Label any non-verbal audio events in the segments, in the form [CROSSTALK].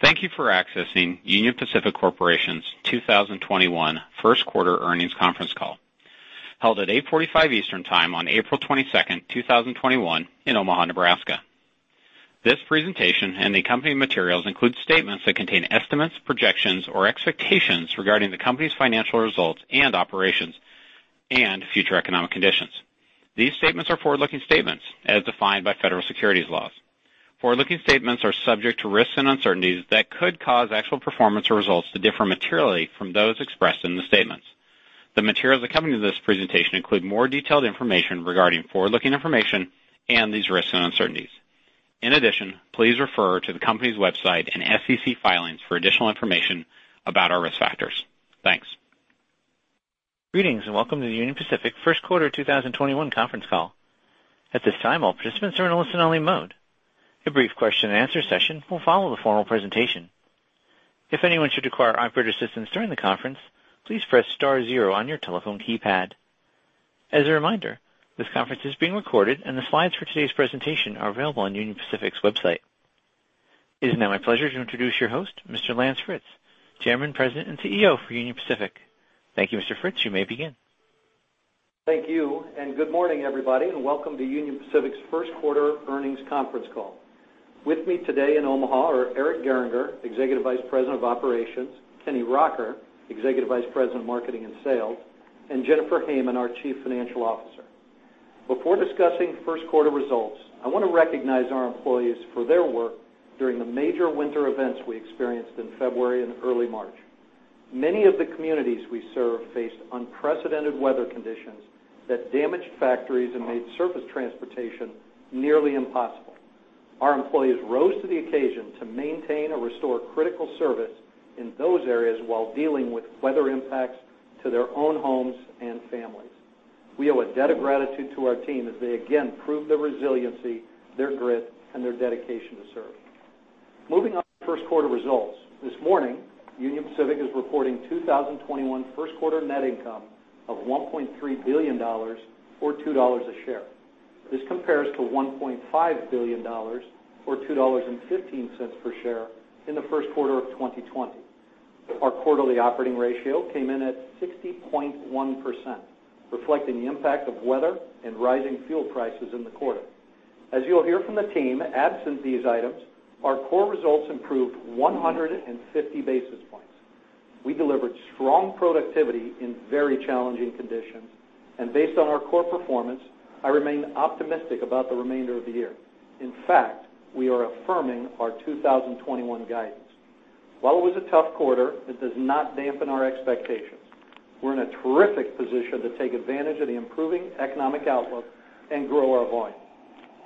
Thank you for accessing Union Pacific Corporation's 2021 first quarter earnings conference call, held at 8:45 Eastern Time on April 22nd, 2021, in Omaha, Nebraska. This presentation and the accompanying materials include statements that contain estimates, projections, or expectations regarding the company's financial results and operations and future economic conditions. These statements are forward-looking statements as defined by federal securities laws. Forward-looking statements are subject to risks and uncertainties that could cause actual performance or results to differ materially from those expressed in the statements. The materials accompanying this presentation include more detailed information regarding forward-looking information and these risks and uncertainties. In addition, please refer to the company's website and SEC filings for additional information about our risk factors. Thanks. Greetings, and welcome to the Union Pacific first quarter 2021 conference call. At this time, all participants are in a listen-only mode. A brief question and answer session will follow the formal presentation. If anyone should require operator assistance during the conference, please press star zero on your telephone keypad. As a reminder, this conference is being recorded, and the slides for today's presentation are available on Union Pacific's website. It is now my pleasure to introduce your host, Mr. Lance Fritz, Chairman, President, and CEO for Union Pacific. Thank you, Mr. Fritz. You may begin. Thank you. Good morning, everybody, and welcome to Union Pacific's first quarter earnings conference call. With me today in Omaha are Eric Gehringer, Executive Vice President of Operations, Kenny Rocker, Executive Vice President of Marketing and Sales, and Jennifer Hamann, our Chief Financial Officer. Before discussing first quarter results, I want to recognize our employees for their work during the major winter events we experienced in February and early March. Many of the communities we serve faced unprecedented weather conditions that damaged factories and made surface transportation nearly impossible. Our employees rose to the occasion to maintain or restore critical service in those areas while dealing with weather impacts to their own homes and families. We owe a debt of gratitude to our team as they again proved their resiliency, their grit, and their dedication to serve. Moving on to first quarter results, this morning, Union Pacific is reporting 2021 first quarter net income of $1.3 billion, or $2 a share. This compares to $1.5 billion, or $2.15 per share, in the first quarter of 2020. Our quarterly operating ratio came in at 60.1%, reflecting the impact of weather and rising fuel prices in the quarter. As you'll hear from the team, absent these items, our core results improved 150 basis points. We delivered strong productivity in very challenging conditions. Based on our core performance, I remain optimistic about the remainder of the year. In fact, we are affirming our 2021 guidance. While it was a tough quarter, it does not dampen our expectations. We're in a terrific position to take advantage of the improving economic outlook and grow our volume.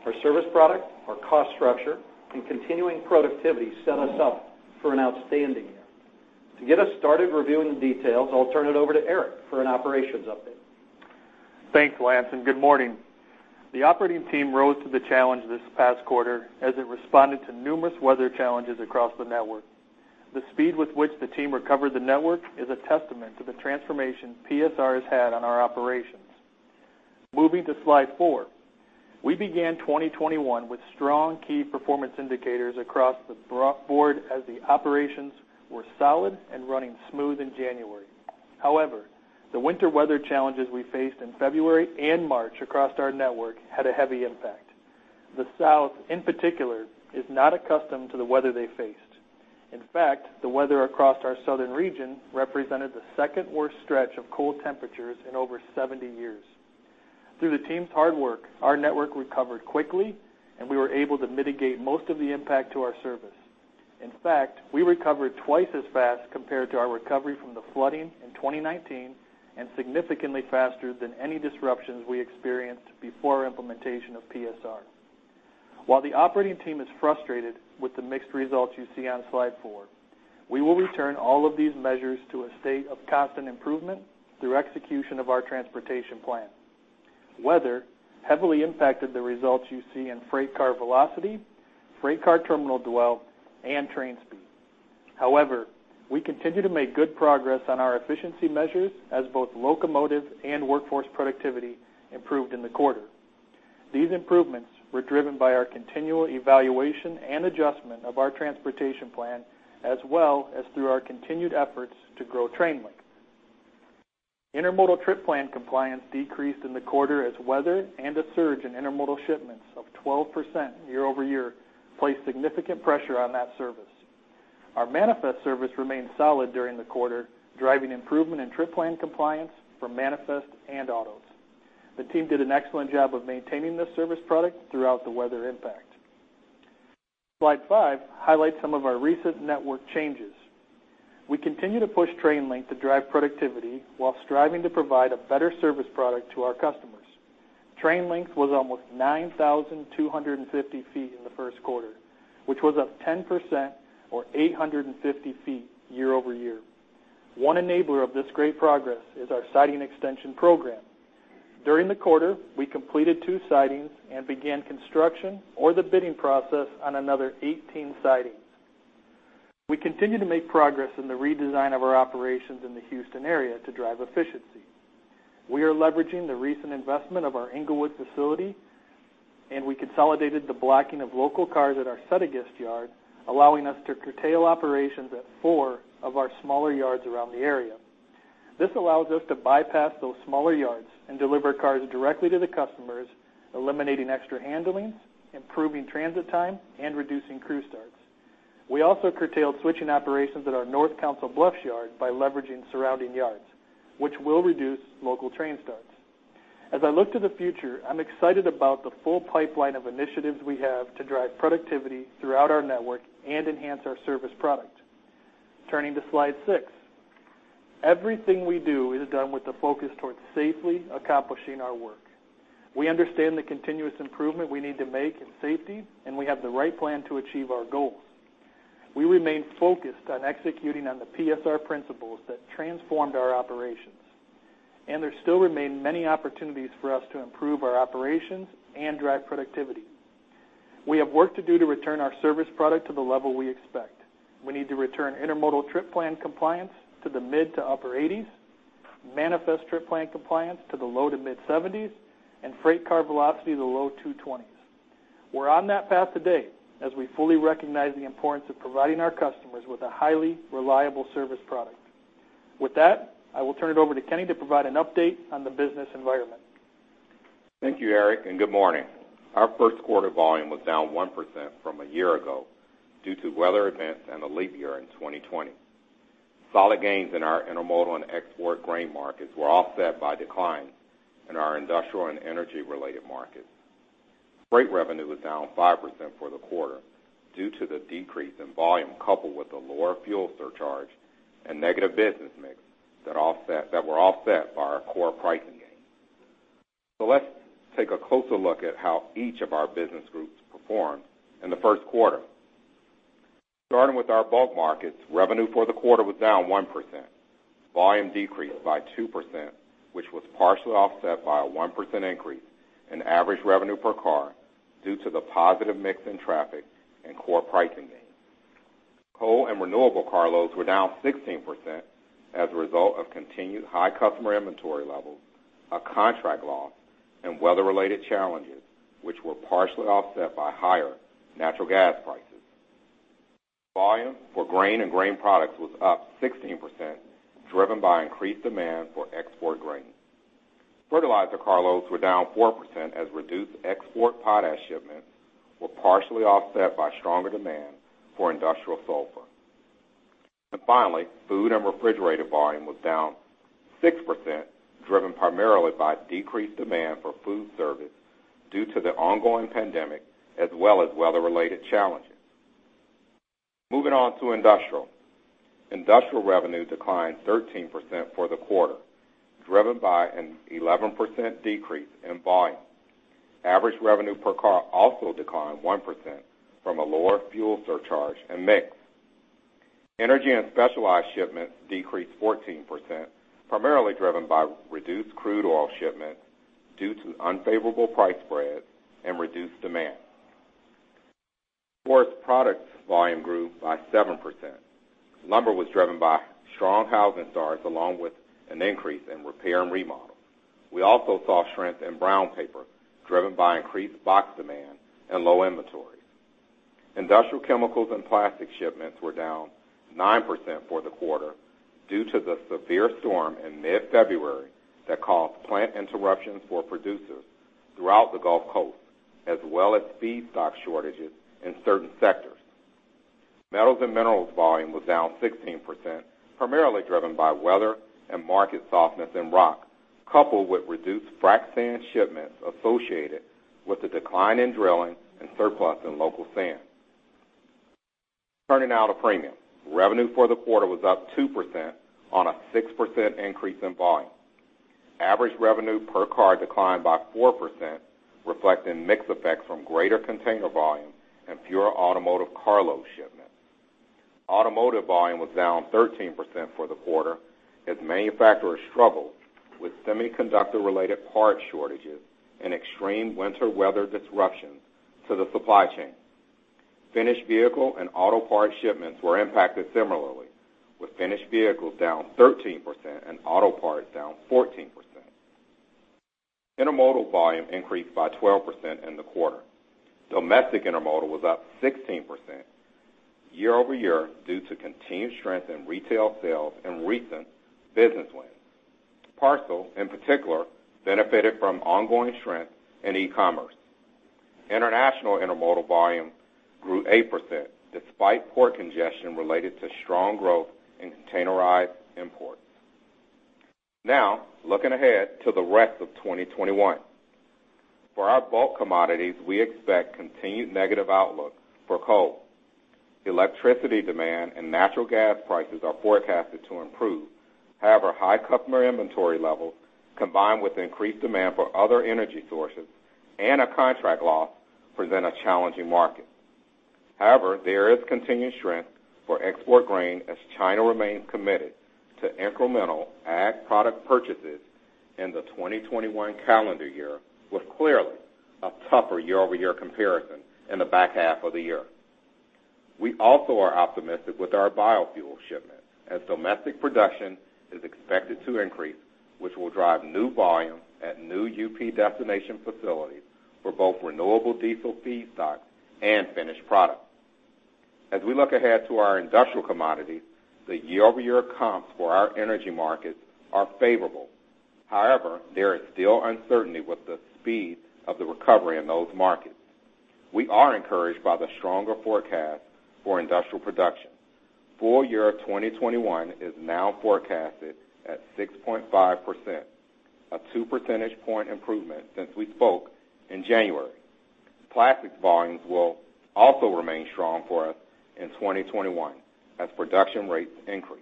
Our service product, our cost structure, and continuing productivity set us up for an outstanding year. To get us started reviewing the details, I'll turn it over to Eric for an operations update. Thanks, Lance, good morning. The operating team rose to the challenge this past quarter as it responded to numerous weather challenges across the network. The speed with which the team recovered the network is a testament to the transformation PSR has had on our operations. Moving to slide four, we began 2021 with strong key performance indicators across the board as the operations were solid and running smooth in January. However, the winter weather challenges we faced in February and March across our network had a heavy impact. The South, in particular, is not accustomed to the weather they faced. In fact, the weather across our Southern region represented the second worst stretch of cold temperatures in over 70 years. Through the team's hard work, our network recovered quickly, and we were able to mitigate most of the impact to our service. In fact, we recovered twice as fast compared to our recovery from the flooding in 2019 and significantly faster than any disruptions we experienced before implementation of PSR. While the operating team is frustrated with the mixed results you see on slide four, we will return all of these measures to a state of constant improvement through execution of our transportation plan. Weather heavily impacted the results you see in freight car velocity, freight car terminal dwell, and train speed. We continue to make good progress on our efficiency measures as both locomotive and workforce productivity improved in the quarter. These improvements were driven by our continual evaluation and adjustment of our transportation plan, as well as through our continued efforts to grow train length. Intermodal trip plan compliance decreased in the quarter as weather and a surge in intermodal shipments of 12% year-over-year placed significant pressure on that service. Our manifest service remained solid during the quarter, driving improvement in trip plan compliance for manifest and autos. The team did an excellent job of maintaining this service product throughout the weather impact. Slide five highlights some of our recent network changes. We continue to push train length to drive productivity while striving to provide a better service product to our customers. Train length was almost 9,250 ft in the first quarter, which was up 10%, or 850 ft, year-over-year. One enabler of this great progress is our siding extension program. During the quarter, we completed two sidings and began construction or the bidding process on another 18 sidings. We continue to make progress in the redesign of our operations in the Houston area to drive efficiency. We are leveraging the recent investment of our Englewood facility, we consolidated the blocking of local cars at our Settegast yard, allowing us to curtail operations at four of our smaller yards around the area. This allows us to bypass those smaller yards and deliver cars directly to the customers, eliminating extra handling, improving transit time, and reducing crew starts. We also curtailed switching operations at our North Council Bluffs yard by leveraging surrounding yards, which will reduce local train starts. As I look to the future, I'm excited about the full pipeline of initiatives we have to drive productivity throughout our network and enhance our service product. Turning to slide six. Everything we do is done with the focus towards safely accomplishing our work. We understand the continuous improvement we need to make in safety. We have the right plan to achieve our goals. We remain focused on executing on the PSR principles that transformed our operations. There still remain many opportunities for us to improve our operations and drive productivity. We have work to do to return our service product to the level we expect. We need to return intermodal trip plan compliance to the mid to upper 80s, manifest trip plan compliance to the low to mid 70s, and freight car velocity to the low 220s. We're on that path today as we fully recognize the importance of providing our customers with a highly reliable service product. With that, I will turn it over to Kenny to provide an update on the business environment. Thank you, Eric. Good morning. Our first quarter volume was down 1% from a year ago due to weather events and a leap year in 2020. Solid gains in our intermodal and export grain markets were offset by declines in our industrial and energy-related markets. Freight revenue was down 5% for the quarter due to the decrease in volume, coupled with the lower fuel surcharge and negative business mix that were offset by our core pricing gains. Let's take a closer look at how each of our business groups performed in the first quarter. Starting with our bulk markets, revenue for the quarter was down 1%. Volume decreased by 2%, which was partially offset by a 1% increase in average revenue per car due to the positive mix in traffic and core pricing gains. Coal and renewable carloads were down 16% as a result of continued high customer inventory levels, a contract loss, and weather-related challenges, which were partially offset by higher natural gas prices. Volume for grain and grain products was up 16%, driven by increased demand for export grain. Fertilizer carloads were down 4% as reduced export potash shipments were partially offset by stronger demand for industrial sulfur. Finally, food and refrigerated volume was down 6%, driven primarily by decreased demand for food service due to the ongoing pandemic as well as weather-related challenges. Moving on to industrial. Industrial revenue declined 13% for the quarter, driven by an 11% decrease in volume. Average revenue per car also declined 1% from a lower fuel surcharge and mix. Energy and specialized shipments decreased 14%, primarily driven by reduced crude oil shipments due to unfavorable price spreads and reduced demand. Forest products volume grew by 7%. Lumber was driven by strong housing starts along with an increase in repair and remodel. We also saw strength in brown paper, driven by increased box demand and low inventory. Industrial chemicals and plastic shipments were down 9% for the quarter due to the severe storm in mid-February that caused plant interruptions for producers throughout the Gulf Coast, as well as feedstock shortages in certain sectors. Metals and minerals volume was down 16%, primarily driven by weather and market softness in rock, coupled with reduced frac sand shipments associated with the decline in drilling and surplus in local sand. Turning now to premium. Revenue for the quarter was up 2% on a 6% increase in volume. Average revenue per car declined by 4%, reflecting mix effects from greater container volume and fewer automotive carload shipments. Automotive volume was down 13% for the quarter as manufacturers struggled with semiconductor-related part shortages and extreme winter weather disruptions to the supply chain. Finished vehicle and auto part shipments were impacted similarly, with finished vehicles down 13% and auto parts down 14%. Intermodal volume increased by 12% in the quarter. Domestic intermodal was up 16% year-over-year due to continued strength in retail sales and recent business wins. Parcel, in particular, benefited from ongoing strength in e-commerce. International intermodal volume grew 8% despite port congestion related to strong growth in containerized imports. Looking ahead to the rest of 2021. For our bulk commodities, we expect continued negative outlook for coal. Electricity demand and natural gas prices are forecasted to improve. High customer inventory levels, combined with increased demand for other energy sources and a contract loss, present a challenging market. However, there is continued strength for export grain as China remains committed to incremental ag product purchases. In the 2021 calendar year with clearly a tougher year-over-year comparison in the back half of the year. We also are optimistic with our biofuel shipment as domestic production is expected to increase, which will drive new volume at new UP destination facilities for both renewable diesel feedstock and finished product. As we look ahead to our industrial commodities, the year-over-year comps for our energy markets are favorable. However, there is still uncertainty with the speed of the recovery in those markets. We are encouraged by the stronger forecast for industrial production. Full year 2021 is now forecasted at 6.5%, a 2 percentage point improvement since we spoke in January. Plastics volumes will also remain strong for us in 2021 as production rates increase.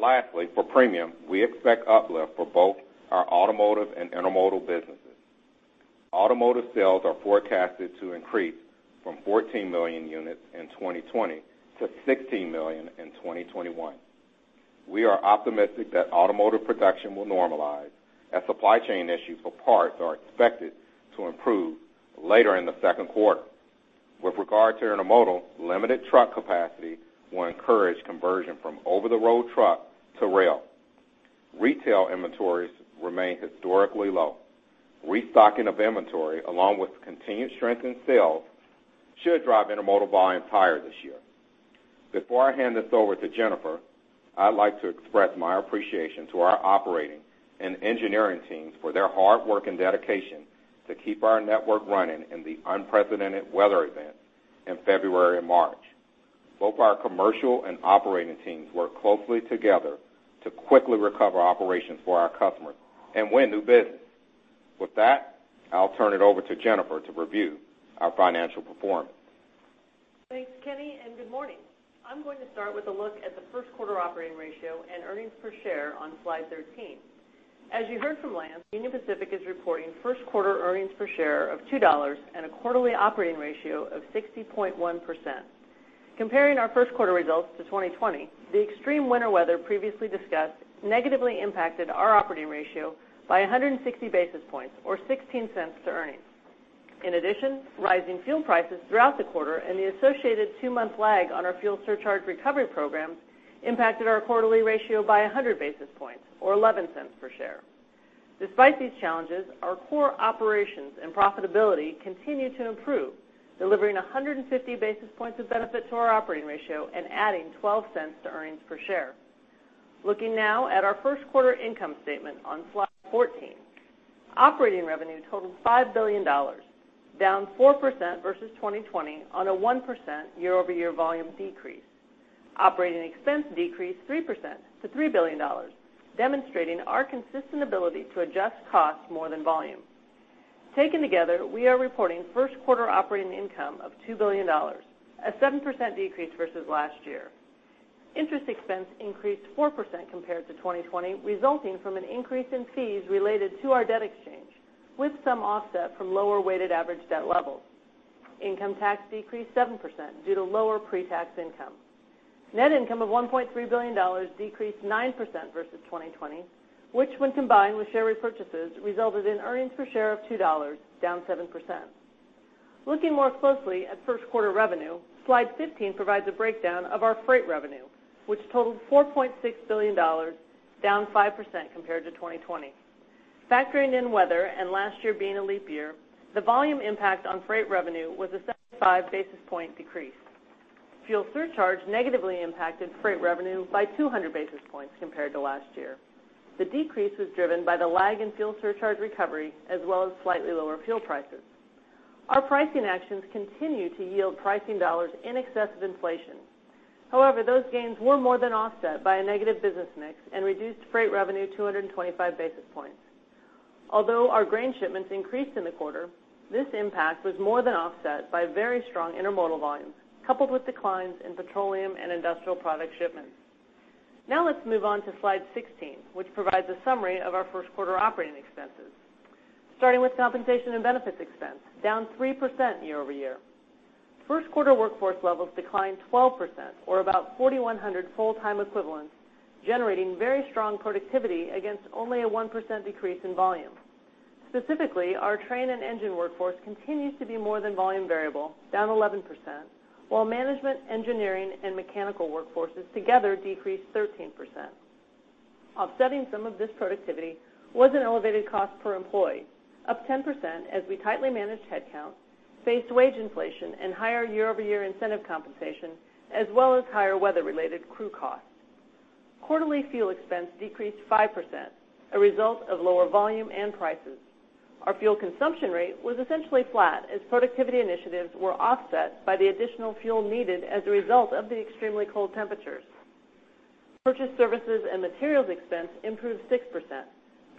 Lastly, for premium, we expect uplift for both our automotive and intermodal businesses. Automotive sales are forecasted to increase from 14 million units in 2020 to 16 million in 2021. We are optimistic that automotive production will normalize as supply chain issues for parts are expected to improve later in the second quarter. With regard to intermodal, limited truck capacity will encourage conversion from over-the-road truck to rail. Retail inventories remain historically low. Restocking of inventory, along with continued strength in sales, should drive intermodal volume higher this year. Before I hand this over to Jennifer, I'd like to express my appreciation to our operating and engineering teams for their hard work and dedication to keep our network running in the unprecedented weather events in February and March. Both our commercial and operating teams worked closely together to quickly recover operations for our customers and win new business. With that, I'll turn it over to Jennifer to review our financial performance. Thanks, Kenny. Good morning. I'm going to start with a look at the first quarter operating ratio and earnings per share on slide 13. As you heard from Lance, Union Pacific is reporting first quarter earnings per share of $2 and a quarterly operating ratio of 60.1%. Comparing our first quarter results to 2020, the extreme winter weather previously discussed negatively impacted our operating ratio by 160 basis points or $0.16 to earnings. In addition, rising fuel prices throughout the quarter and the associated two-month lag on our fuel surcharge recovery programs impacted our quarterly ratio by 100 basis points or $0.11 per share. Despite these challenges, our core operations and profitability continue to improve, delivering 150 basis points of benefit to our operating ratio and adding $0.12 to earnings per share. Looking now at our first quarter income statement on slide 14. Operating revenue totaled $5 billion, down 4% versus 2020 on a 1% year-over-year volume decrease. Operating expense decreased 3% to $3 billion, demonstrating our consistent ability to adjust cost more than volume. Taken together, we are reporting first quarter operating income of $2 billion, a 7% decrease versus last year. Interest expense increased 4% compared to 2020, resulting from an increase in fees related to our debt exchange, with some offset from lower weighted average debt levels. Income tax decreased 7% due to lower pre-tax income. Net income of $1.3 billion decreased 9% versus 2020, which when combined with share repurchases, resulted in earnings per share of $2, down 7%. Looking more closely at first quarter revenue, slide 15 provides a breakdown of our freight revenue, which totaled $4.6 billion, down 5% compared to 2020. Factoring in weather and last year being a leap year, the volume impact on freight revenue was a 75 basis point decrease. Fuel surcharge negatively impacted freight revenue by 200 basis points compared to last year. The decrease was driven by the lag in fuel surcharge recovery as well as slightly lower fuel prices. Our pricing actions continue to yield pricing dollars in excess of inflation. Those gains were more than offset by a negative business mix and reduced freight revenue 225 basis points. Our grain shipments increased in the quarter, this impact was more than offset by very strong intermodal volumes, coupled with declines in petroleum and industrial product shipments. Let's move on to slide 16, which provides a summary of our first quarter operating expenses. Starting with compensation and benefits expense, down 3% year-over-year. First quarter workforce levels declined 12%, or about 4,100 full-time equivalents, generating very strong productivity against only a 1% decrease in volume. Specifically, our train and engine workforce continues to be more than volume variable, down 11%, while management, engineering, and mechanical workforces together decreased 13%. Offsetting some of this productivity was an elevated cost per employee, up 10% as we tightly managed headcount, faced wage inflation and higher year-over-year incentive compensation, as well as higher weather-related crew costs. Quarterly fuel expense decreased 5%, a result of lower volume and prices. Our fuel consumption rate was essentially flat as productivity initiatives were offset by the additional fuel needed as a result of the extremely cold temperatures. Purchased services and materials expense improved 6%,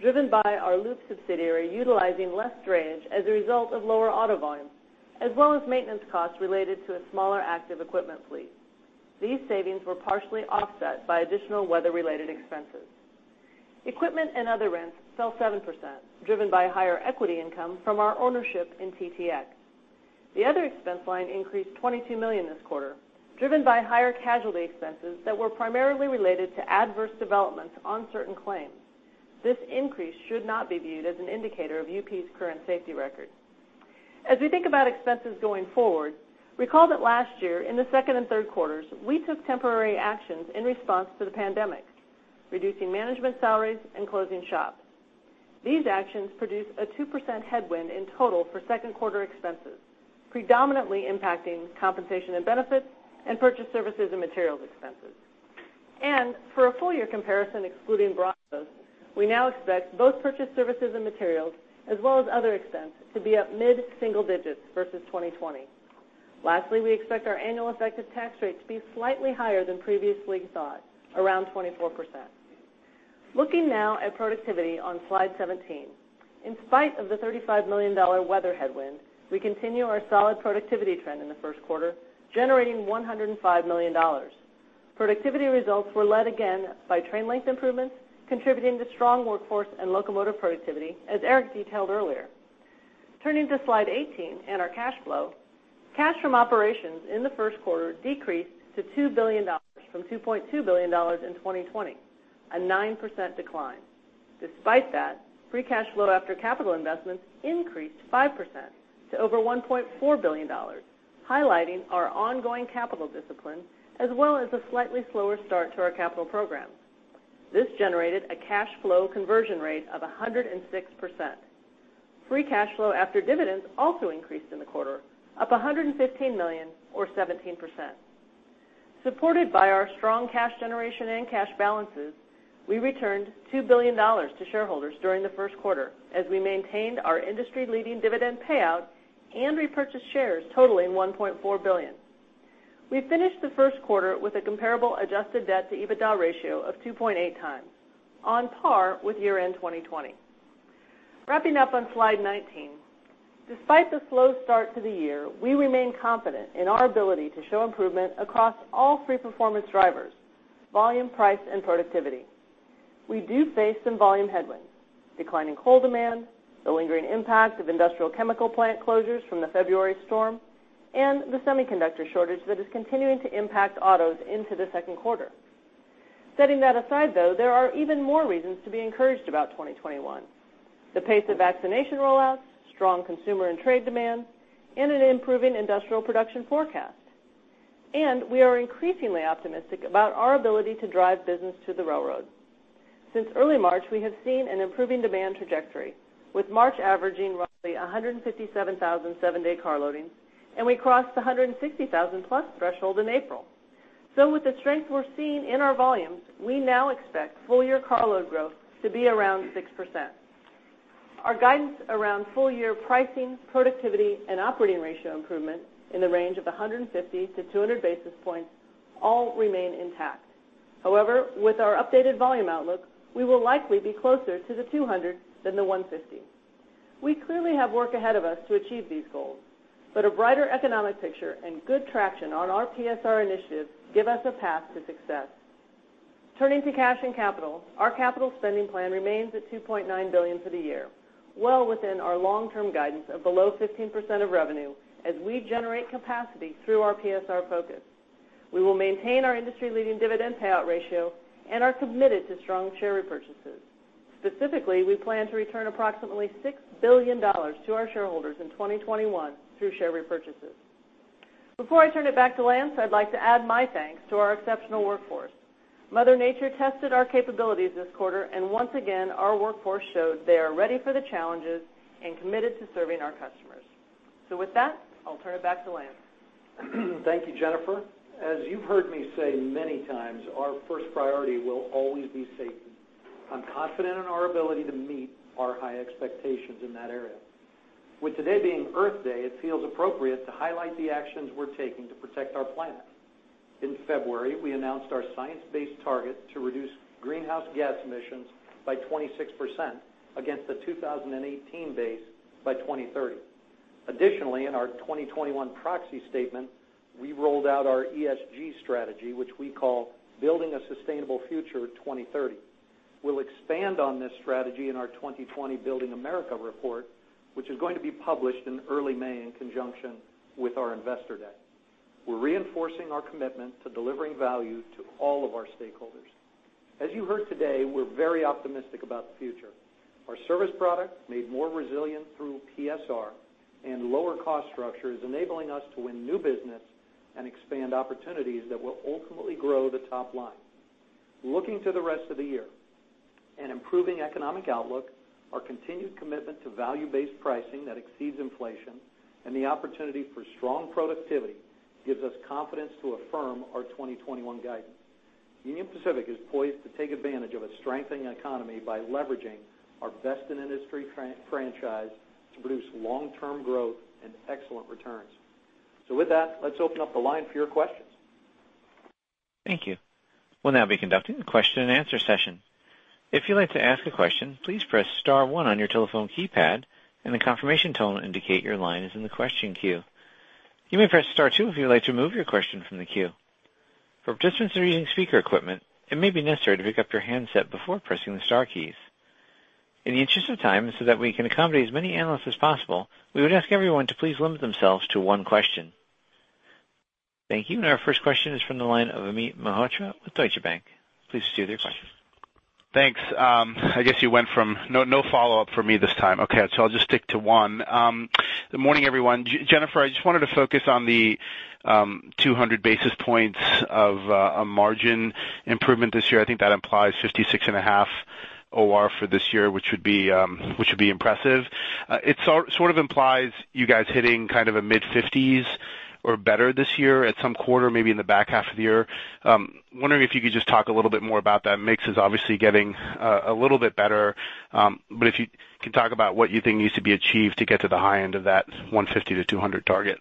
driven by our Loup subsidiary utilizing less drayage as a result of lower auto volume, as well as maintenance costs related to a smaller active equipment fleet. These savings were partially offset by additional weather-related expenses. Equipment and other rents fell 7%, driven by higher equity income from our ownership in TTX. The other expense line increased $22 million this quarter, driven by higher casualty expenses that were primarily related to adverse developments on certain claims. This increase should not be viewed as an indicator of UP's current safety record. As we think about expenses going forward, recall that last year in the second and third quarters, we took temporary actions in response to the pandemic, reducing management salaries and closing shops. These actions produced a 2% headwind in total for second quarter expenses, predominantly impacting compensation and benefits and purchase services and materials expenses. For a full-year comparison excluding we now expect both purchase services and materials, as well as other expense, to be up mid-single digits versus 2020. Lastly, we expect our annual effective tax rate to be slightly higher than previously thought, around 24%. Looking now at productivity on slide 17. In spite of the $35 million weather headwind, we continue our solid productivity trend in the first quarter, generating $105 million. Productivity results were led again by train length improvements, contributing to strong workforce and locomotive productivity, as Eric detailed earlier. Turning to slide 18 and our cash flow, cash from operations in the first quarter decreased to $2 billion from $2.2 billion in 2020, a 9% decline. Despite that, free cash flow after capital investments increased 5% to over $1.4 billion, highlighting our ongoing capital discipline, as well as a slightly slower start to our capital program. This generated a cash flow conversion rate of 106%. Free cash flow after dividends also increased in the quarter, up $115 million or 17%. Supported by our strong cash generation and cash balances, we returned $2 billion to shareholders during the first quarter as we maintained our industry-leading dividend payout and repurchased shares totaling $1.4 billion. We finished the first quarter with a comparable adjusted debt to EBITDA ratio of 2.8x, on par with year-end 2020. Wrapping up on slide 19. Despite the slow start to the year, we remain confident in our ability to show improvement across all three performance drivers, volume, price, and productivity. We do face some volume headwinds, declining coal demand, the lingering impact of industrial chemical plant closures from the February storm, and the semiconductor shortage that is continuing to impact autos into the second quarter. Setting that aside, though, there are even more reasons to be encouraged about 2021. The pace of vaccination rollouts, strong consumer and trade demand, and an improving industrial production forecast. We are increasingly optimistic about our ability to drive business to the railroad. Since early March, we have seen an improving demand trajectory, with March averaging roughly 157,000 seven-day carloadings, and we crossed the 160,000+ threshold in April. With the strength we're seeing in our volumes, we now expect full-year carload growth to be around 6%. Our guidance around full-year pricing, productivity, and operating ratio improvement in the range of 150-200 basis points all remain intact. However, with our updated volume outlook, we will likely be closer to the 200 than the 150. We clearly have work ahead of us to achieve these goals, but a brighter economic picture and good traction on our PSR initiatives give us a path to success. Turning to cash and capital, our capital spending plan remains at $2.9 billion for the year, well within our long-term guidance of below 15% of revenue as we generate capacity through our PSR focus. We will maintain our industry-leading dividend payout ratio and are committed to strong share repurchases. Specifically, we plan to return approximately $6 billion to our shareholders in 2021 through share repurchases. Before I turn it back to Lance, I'd like to add my thanks to our exceptional workforce. Mother Nature tested our capabilities this quarter, and once again, our workforce showed they are ready for the challenges and committed to serving our customers. With that, I'll turn it back to Lance. Thank you, Jennifer. As you've heard me say many times, our first priority will always be safety. I'm confident in our ability to meet our high expectations in that area. With today being Earth Day, it feels appropriate to highlight the actions we're taking to protect our planet. In February, we announced our science-based target to reduce greenhouse gas emissions by 26% against the 2018 base by 2030. Additionally, in our 2021 proxy statement, we rolled out our ESG strategy, which we call Building a Sustainable Future 2030. We'll expand on this strategy in our 2020 Building America Report, which is going to be published in early May in conjunction with our Investor Day. We're reinforcing our commitment to delivering value to all of our stakeholders. As you heard today, we're very optimistic about the future. Our service product, made more resilient through PSR and lower cost structure, is enabling us to win new business and expand opportunities that will ultimately grow the top line. Looking to the rest of the year, an improving economic outlook, our continued commitment to value-based pricing that exceeds inflation, and the opportunity for strong productivity gives us confidence to affirm our 2021 guidance. Union Pacific is poised to take advantage of a strengthening economy by leveraging our best-in-industry franchise to produce long-term growth and excellent returns. With that, let's open up the line for your questions. Thank you. We'll now be conducting a question and answer session. If you'd like to ask a question please press star one on your telephone keypad and a confirmation tone will indicate your line is in the question queue, you may press star two if you'd like to move your question from the queue. [AUDIO DISTORTION] speaker equipment it may be necessary to pick up your handset before pressing the star keys. In the interest of time, so that we can accommodate as many analysts as possible, we would ask everyone to please limit themselves to one question. Thank you. Our first question is from the line of Amit Mehrotra with Deutsche Bank. Please proceed with your question. Thanks. I guess no follow-up from me this time. Okay, I'll just stick to one. Good morning, everyone. Jennifer, I just wanted to focus on the 200 basis points of margin improvement this year. I think that implies 56.5 OR for this year, which would be impressive. It sort of implies you guys hitting kind of a mid-50s or better this year at some quarter, maybe in the back half of the year. I'm wondering if you could just talk a little bit more about that. Mix is obviously getting a little bit better, if you can talk about what you think needs to be achieved to get to the high end of that 150-200 target.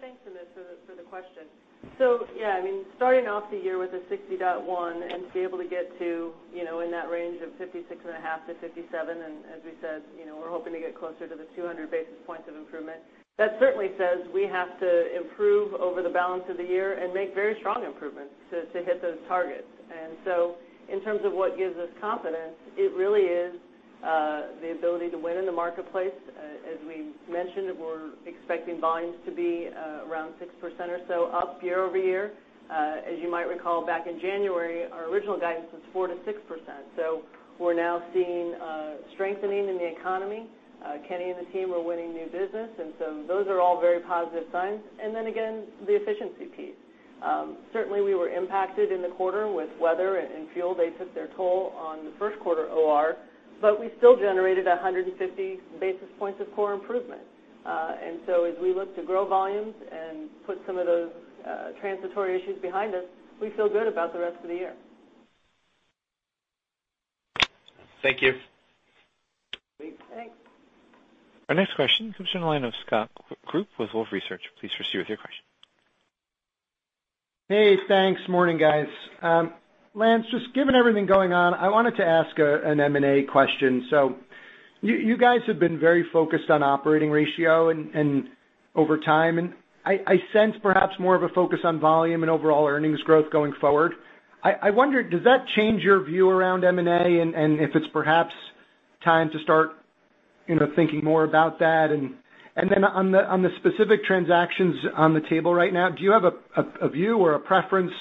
Thanks, Amit, for the question. Starting off the year with a 60.1 and to be able to get to, in that range of 56.5-57, as we said, we're hoping to get closer to the 200 basis points of improvement. That certainly says we have to improve over the balance of the year and make very strong improvements to hit those targets. In terms of what gives us confidence, it really is the ability to win in the marketplace. As we mentioned, we're expecting volumes to be around 6% or so up year-over-year. As you might recall, back in January, our original guidance was 4%-6%. We're now seeing a strengthening in the economy. Kenny and the team are winning new business, those are all very positive signs. Again, the efficiency piece. Certainly, we were impacted in the quarter with weather and fuel. They took their toll on the first quarter OR, but we still generated 150 basis points of core improvement. As we look to grow volumes and put some of those transitory issues behind us, we feel good about the rest of the year. Thank you. Great. Thanks. Our next question comes from the line of Scott Group with Wolfe Research. Please proceed with your question. Hey, thanks. Morning, guys. Lance, just given everything going on, I wanted to ask an M&A question. You guys have been very focused on operating ratio over time, and I sense perhaps more of a focus on volume and overall earnings growth going forward. I wonder, does that change your view around M&A and if it's perhaps time to start thinking more about that? On the specific transactions on the table right now, do you have a view or a preference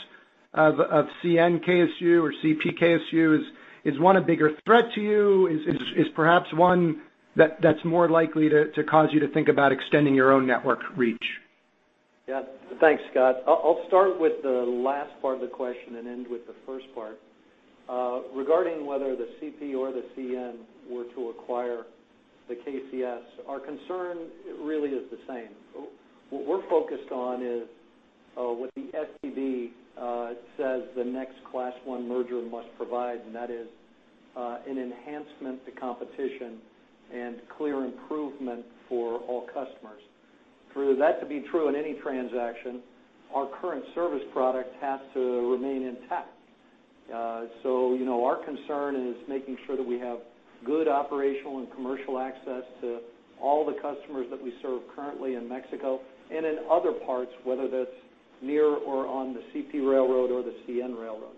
of CN KSU or CP KSU? Is one a bigger threat to you? Is perhaps one that's more likely to cause you to think about extending your own network reach? Yeah. Thanks, Scott. I'll start with the last part of the question and end with the first part. Regarding whether the CP or the CN were to acquire the KCS, our concern really is the same. What we're focused on is what the STB says the next Class I merger must provide, that is an enhancement to competition and clear improvement for all customers. For that to be true in any transaction, our current service product has to remain intact. Our concern is making sure that we have good operational and commercial access to all the customers that we serve currently in Mexico and in other parts, whether that's near or on the CP railroad or the CN railroad.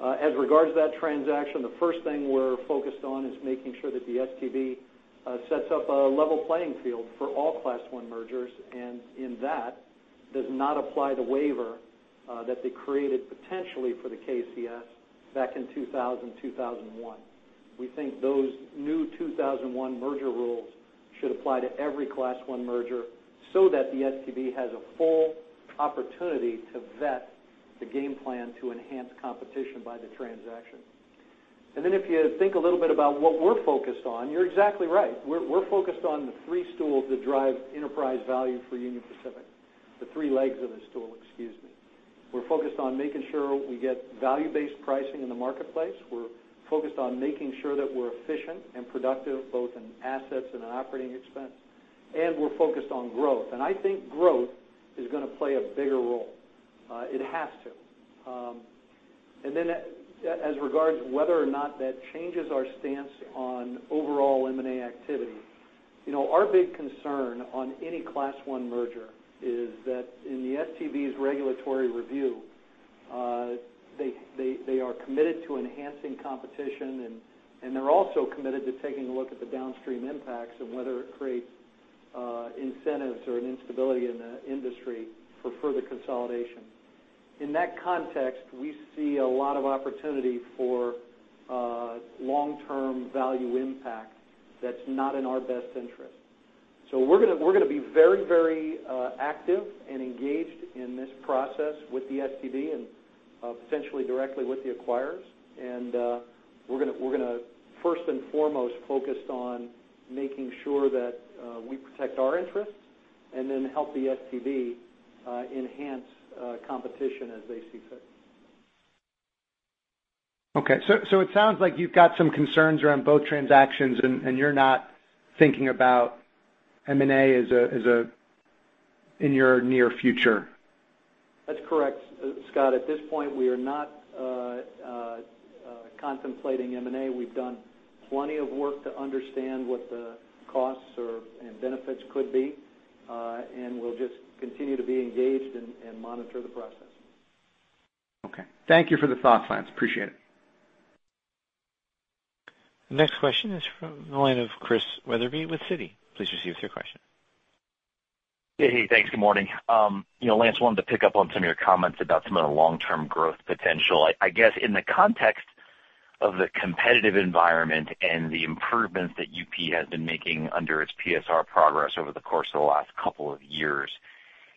As regards to that transaction, the first thing we're focused on is making sure that the STB sets up a level playing field for all Class I mergers and, in that, does not apply the waiver that they created potentially for the KCS back in 2000, 2001. We think those new 2001 merger rules should apply to every Class I merger so that the STB has a full opportunity to vet the game plan to enhance competition by the transaction. If you think a little bit about what we're focused on, you're exactly right. We're focused on the three stools that drive enterprise value for Union Pacific, the three legs of the stool, excuse me. We're focused on making sure we get value-based pricing in the marketplace. We're focused on making sure that we're efficient and productive, both in assets and in operating expense. We're focused on growth. I think growth is going to play a bigger role. It has to. Then as regards to whether or not that changes our stance on overall M&A activity, our big concern on any Class I merger is that in the STB's regulatory review, they are committed to enhancing competition and they're also committed to taking a look at the downstream impacts and whether it creates incentives or an instability in the industry for further consolidation. In that context, we see a lot of opportunity for long-term value impact that's not in our best interest. We're going to be very, very active and engaged in this process with the STB and potentially directly with the acquirers. We're going to first and foremost focus on making sure that we protect our interests and then help the STB enhance competition as they see fit. Okay, it sounds like you've got some concerns around both transactions and you're not thinking about M&A in your near future. That's correct, Scott. At this point, we are not contemplating M&A. We've done plenty of work to understand what the costs and benefits could be, and we'll just continue to be engaged and monitor the process. Okay. Thank you for the thoughts, Lance. Appreciate it. The next question is from the line of Chris Wetherbee with Citi. Please proceed with your question. Hey. Thanks. Good morning. Lance, wanted to pick up on some of your comments about some of the long-term growth potential. I guess, in the context of the competitive environment and the improvements that UP has been making under its PSR progress over the course of the last couple of years,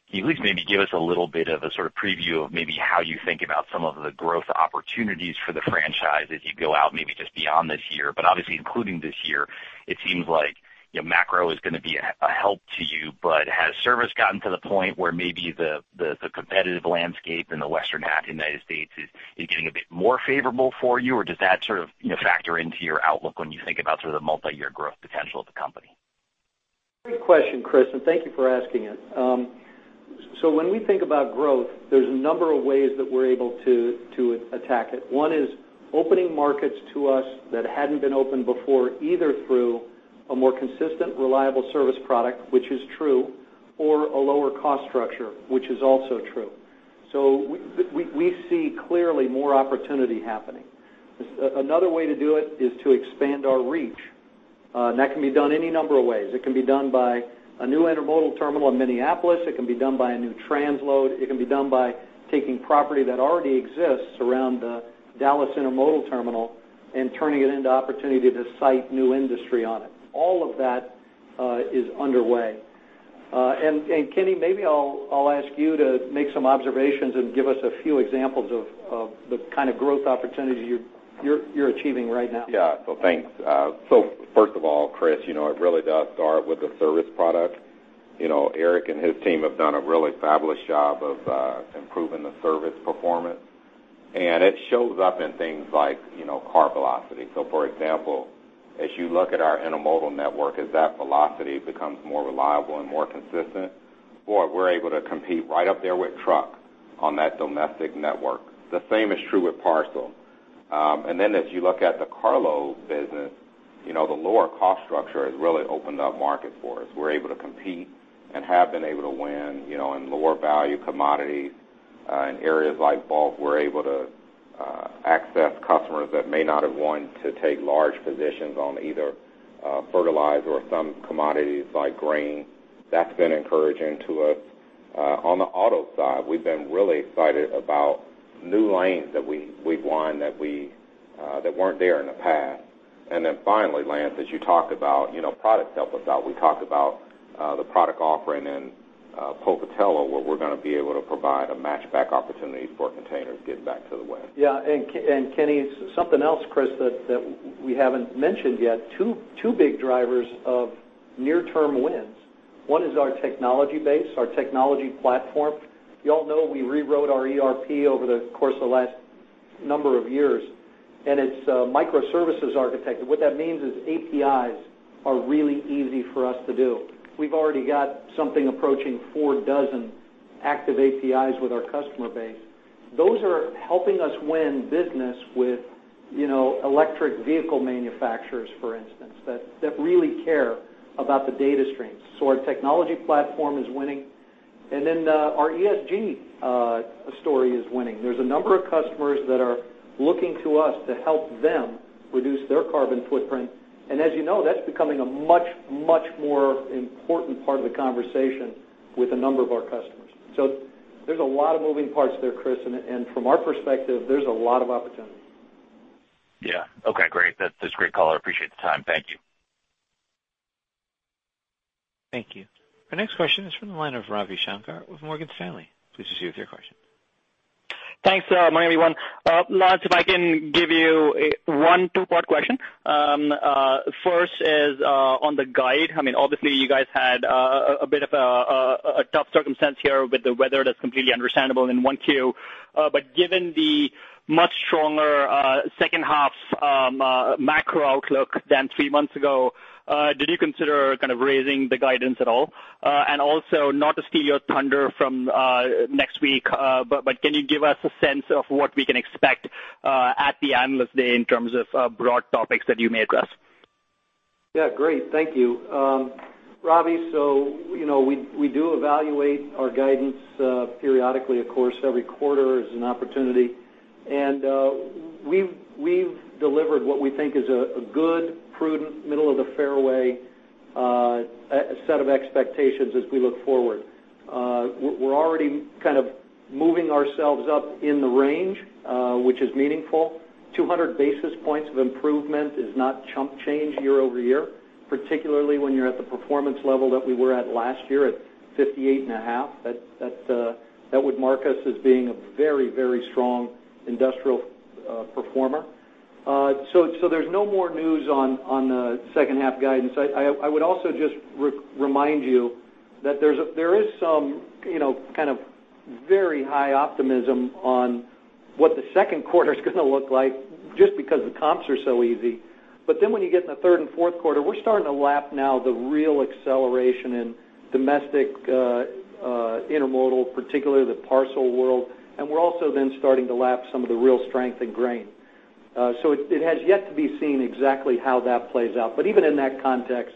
can you at least maybe give us a little bit of a sort of preview of maybe how you think about some of the growth opportunities for the franchise as you go out, maybe just beyond this year, but obviously including this year. It seems like macro is going to be a help to you, but has service gotten to the point where maybe the competitive landscape in the western half of the U.S. is getting a bit more favorable for you? Does that sort of factor into your outlook when you think about sort of the multi-year growth potential of the company? Great question, Chris, and thank you for asking it. When we think about growth, there's a number of ways that we're able to attack it. One is opening markets to us that hadn't been opened before, either through a more consistent, reliable service product, which is true, or a lower cost structure, which is also true. We see clearly more opportunity happening. Another way to do it is to expand our reach. That can be done any number of ways. It can be done by a new intermodal terminal in Minneapolis. It can be done by a new transload. It can be done by taking property that already exists around the Dallas intermodal terminal and turning it into opportunity to site new industry on it. All of that is underway. Kenny, maybe I'll ask you to make some observations and give us a few examples of the kind of growth opportunities you're achieving right now. Thanks. First of all, Chris, it really does start with the service product. Eric and his team have done a really fabulous job of improving the service performance, and it shows up in things like car velocity. For example, as you look at our intermodal network, as that velocity becomes more reliable and more consistent, boy, we're able to compete right up there with truck on that domestic network. The same is true with parcel. As you look at the carload business, the lower cost structure has really opened up markets for us. We're able to compete and have been able to win in lower value commodities. In areas like bulk, we're able to access customers that may not have wanted to take large positions on either fertilizer or some commodities like grain. That's been encouraging to us. On the auto side, we've been really excited about new lanes that we've won that weren't there in the past. Finally, Lance, as you talked about, product helped us out. We talked about the product offering in Pocatello, where we're going to be able to provide a match-back opportunity for containers getting back to the West. Kenny, something else, Chris, that we haven't mentioned yet, two big drivers of near-term wins. One is our technology base, our technology platform. You all know we rewrote our ERP over the course of the last number of years, it's microservices architected. What that means is APIs are really easy for us to do. We've already got something approaching four dozen active APIs with our customer base. Those are helping us win business with electric vehicle manufacturers, for instance, that really care about the data streams. Our technology platform is winning, our ESG story is winning. There's a number of customers that are looking to us to help them reduce their carbon footprint, as you know, that's becoming a much, much more important part of the conversation with a number of our customers. There's a lot of moving parts there, Chris, and from our perspective, there's a lot of opportunity. Yeah. Okay, great. That's a great call. I appreciate the time. Thank you. Thank you. Our next question is from the line of Ravi Shanker with Morgan Stanley. Please proceed with your question. Thanks. Good morning, everyone. Lance, if I can give you a one two-part question. First is on the guide. Obviously, you guys had a bit of a tough circumstance here with the weather. That's completely understandable in 1Q. Given the much stronger second half macro outlook than three months ago, did you consider kind of raising the guidance at all? Also, not to steal your thunder from next week, but can you give us a sense of what we can expect at the Analyst Day in terms of broad topics that you may address? Yeah, great. Thank you. Ravi, we do evaluate our guidance periodically. Of course, every quarter is an opportunity. We've delivered what we think is a good, prudent, middle-of-the-fairway set of expectations as we look forward. We're already kind of moving ourselves up in the range, which is meaningful. 200 basis points of improvement is not chump change year-over-year, particularly when you're at the performance level that we were at last year at 58.5. That would mark us as being a very, very strong industrial performer. There's no more news on the second half guidance. I would also just remind you that there is some kind of very high optimism on what the second quarter's going to look like just because the comps are so easy. When you get in the third and fourth quarter, we're starting to lap now the real acceleration in domestic intermodal, particularly the parcel world, and we're also then starting to lap some of the real strength in grain. It has yet to be seen exactly how that plays out. Even in that context,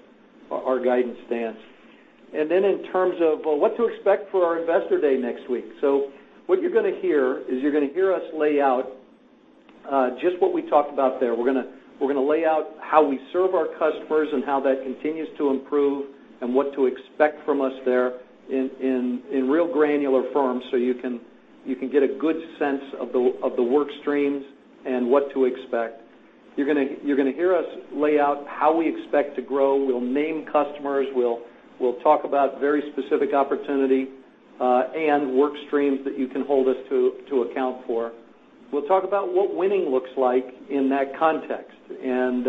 our guidance stands. In terms of what to expect for our Investor Day next week. What you're going to hear is you're going to hear us lay out just what we talked about there. We're going to lay out how we serve our customers and how that continues to improve and what to expect from us there in real granular form so you can get a good sense of the work streams and what to expect. You're going to hear us lay out how we expect to grow. We'll name customers, we'll talk about very specific opportunity, and work streams that you can hold us to account for. We'll talk about what winning looks like in that context and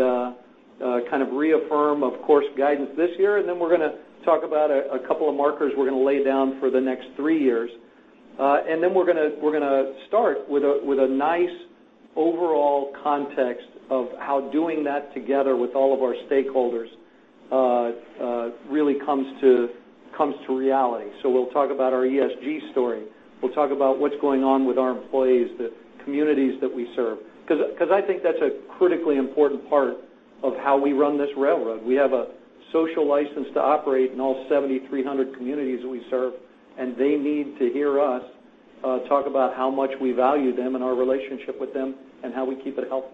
kind of reaffirm, of course, guidance this year. Then we're going to talk about a couple of markers we're going to lay down for the next three years. Then we're going to start with a nice overall context of how doing that together with all of our stakeholders really comes to reality. We'll talk about our ESG story. We'll talk about what's going on with our employees, the communities that we serve, because I think that's a critically important part of how we run this railroad. We have a social license to operate in all 7,300 communities we serve, they need to hear us talk about how much we value them and our relationship with them and how we keep it healthy.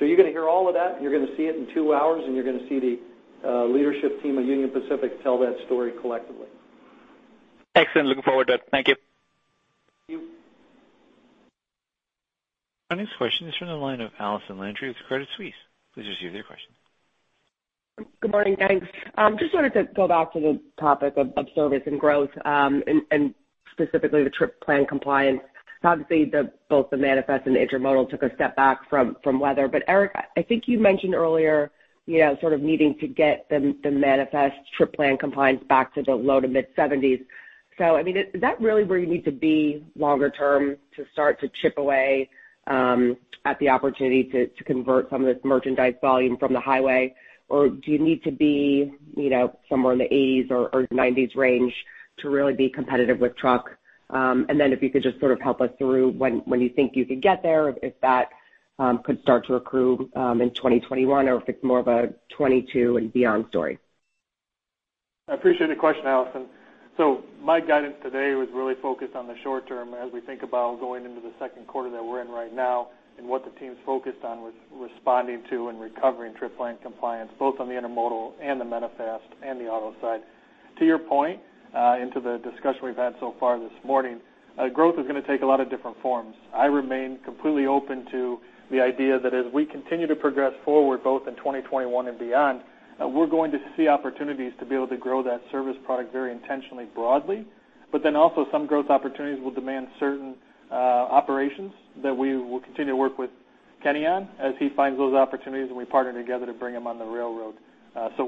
You're going to hear all of that, you're going to see it in two hours, you're going to see the leadership team of Union Pacific tell that story collectively. Excellent. Looking forward to it. Thank you. Our next question is from the line of Allison Landry with Credit Suisse. Please proceed with your question. Good morning. Thanks. Wanted to go back to the topic of service and growth, and specifically the trip plan compliance. Both the manifest and the intermodal took a step back from weather. Eric, I think you mentioned earlier sort of needing to get the manifest trip plan compliance back to the low to mid-70s. I mean, is that really where you need to be longer term to start to chip away at the opportunity to convert some of this merchandise volume from the highway? Do you need to be somewhere in the 80s or 90s range to really be competitive with truck? If you could just sort of help us through when you think you could get there, if that could start to accrue, in 2021 or if it's more of a 2022 and beyond story. I appreciate the question, Allison. My guidance today was really focused on the short term as we think about going into the second quarter that we're in right now and what the team's focused on with responding to and recovering trip plan compliance, both on the intermodal and the manifest and the auto side. To your point, into the discussion we've had so far this morning, growth is going to take a lot of different forms. I remain completely open to the idea that as we continue to progress forward, both in 2021 and beyond, we're going to see opportunities to be able to grow that service product very intentionally broadly, but then also some growth opportunities will demand certain operations that we will continue to work with Kenny on as he finds those opportunities and we partner together to bring them on the railroad.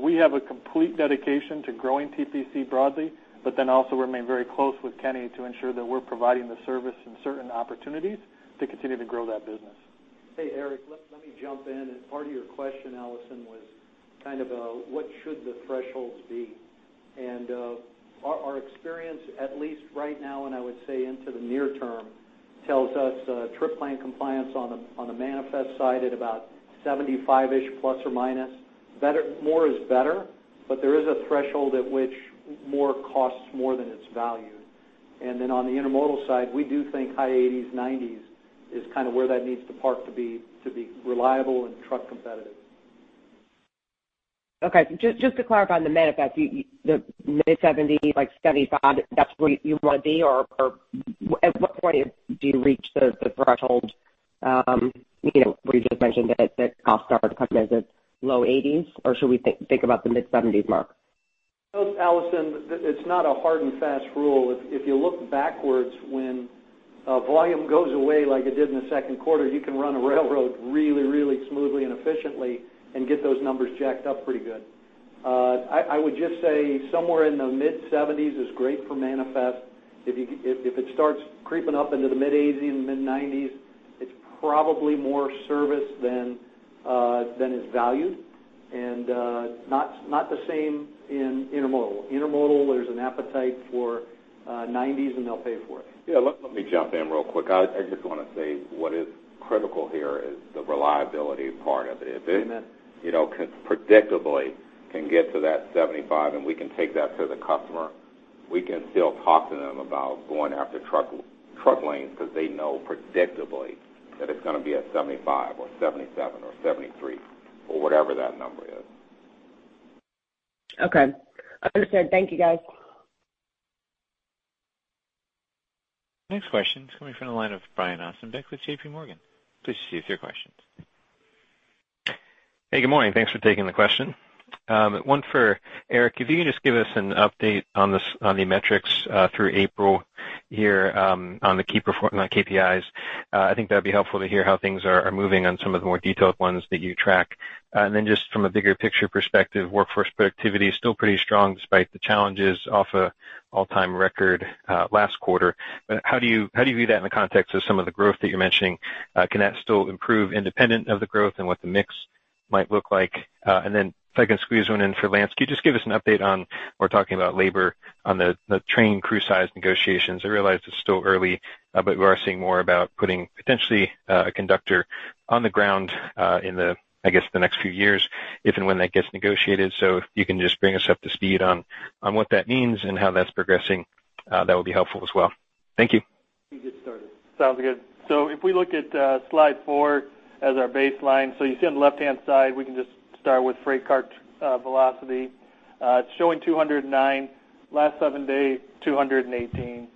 We have a complete dedication to growing TPC broadly, but then also remain very close with Kenny to ensure that we're providing the service and certain opportunities to continue to grow that business. Hey, Eric, let me jump in. Part of your question, Allison, was kind of what should the thresholds be? Our experience, at least right now, and I would say into the near term, tells us trip plan compliance on the manifest side at about 75-ish±. More is better, there is a threshold at which more costs more than it's valued. On the intermodal side, we do think high 80s, 90s is kind of where that needs to park to be reliable and truck competitive. Okay. Just to clarify on the manifest, the mid-70s, like 75, that's where you want to be? At what point do you reach the threshold where you just mentioned that costs are competitive, low 80s, or should we think about the mid-70s mark? Allison, it's not a hard and fast rule. If you look backwards when volume goes away like it did in the second quarter, you can run a railroad really smoothly and efficiently and get those numbers jacked up pretty good. I would just say somewhere in the mid-70s is great for manifest. If it starts creeping up into the mid-80s and mid-90s, it's probably more service than it's valued, and not the same in intermodal. Intermodal, there's an appetite for 90s, and they'll pay for it. Yeah, let me jump in real quick. I just want to say what is critical here is the reliability part of it. If they predictably can get to that 75 and we can take that to the customer, we can still talk to them about going after truck lanes because they know predictably that it's going to be a 75 or 77 or 73 or whatever that number is. Okay. Understood. Thank you, guys. Next question is coming from the line of Brian Ossenbeck with JPMorgan. Please proceed with your questions. Hey, good morning. Thanks for taking the question. One for Eric. If you can just give us an update on the metrics through April here on KPIs. I think that'd be helpful to hear how things are moving on some of the more detailed ones that you track. From a bigger picture perspective, workforce productivity is still pretty strong despite the challenges off an all-time record last quarter. How do you view that in the context of some of the growth that you're mentioning? Can that still improve independent of the growth and what the mix might look like? If I can squeeze one in for Lance, can you just give us an update on, we're talking about labor on the train crew size negotiations? I realize it's still early, but we are seeing more about putting potentially a conductor on the ground in, I guess, the next few years, if and when that gets negotiated. If you can just bring us up to speed on what that means and how that's progressing, that would be helpful as well. Thank you. You get started. Sounds good. If we look at slide four as our baseline, you see on the left-hand side, we can just start with freight car velocity. It's showing 209, last seven days, 218.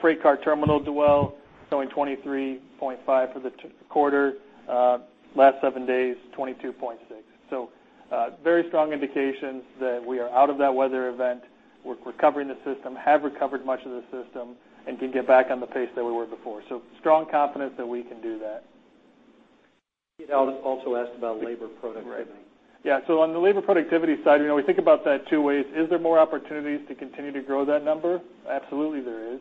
freight car terminal dwell showing 23.5 for the quarter, last seven days, 22.6. Very strong indications that we are out of that weather event. We're recovering the system, have recovered much of the system, and can get back on the pace that we were before. Strong confidence that we can do that. He also asked about labor productivity. Yeah. On the labor productivity side, we think about that two ways. Is there more opportunities to continue to grow that number? Absolutely there is.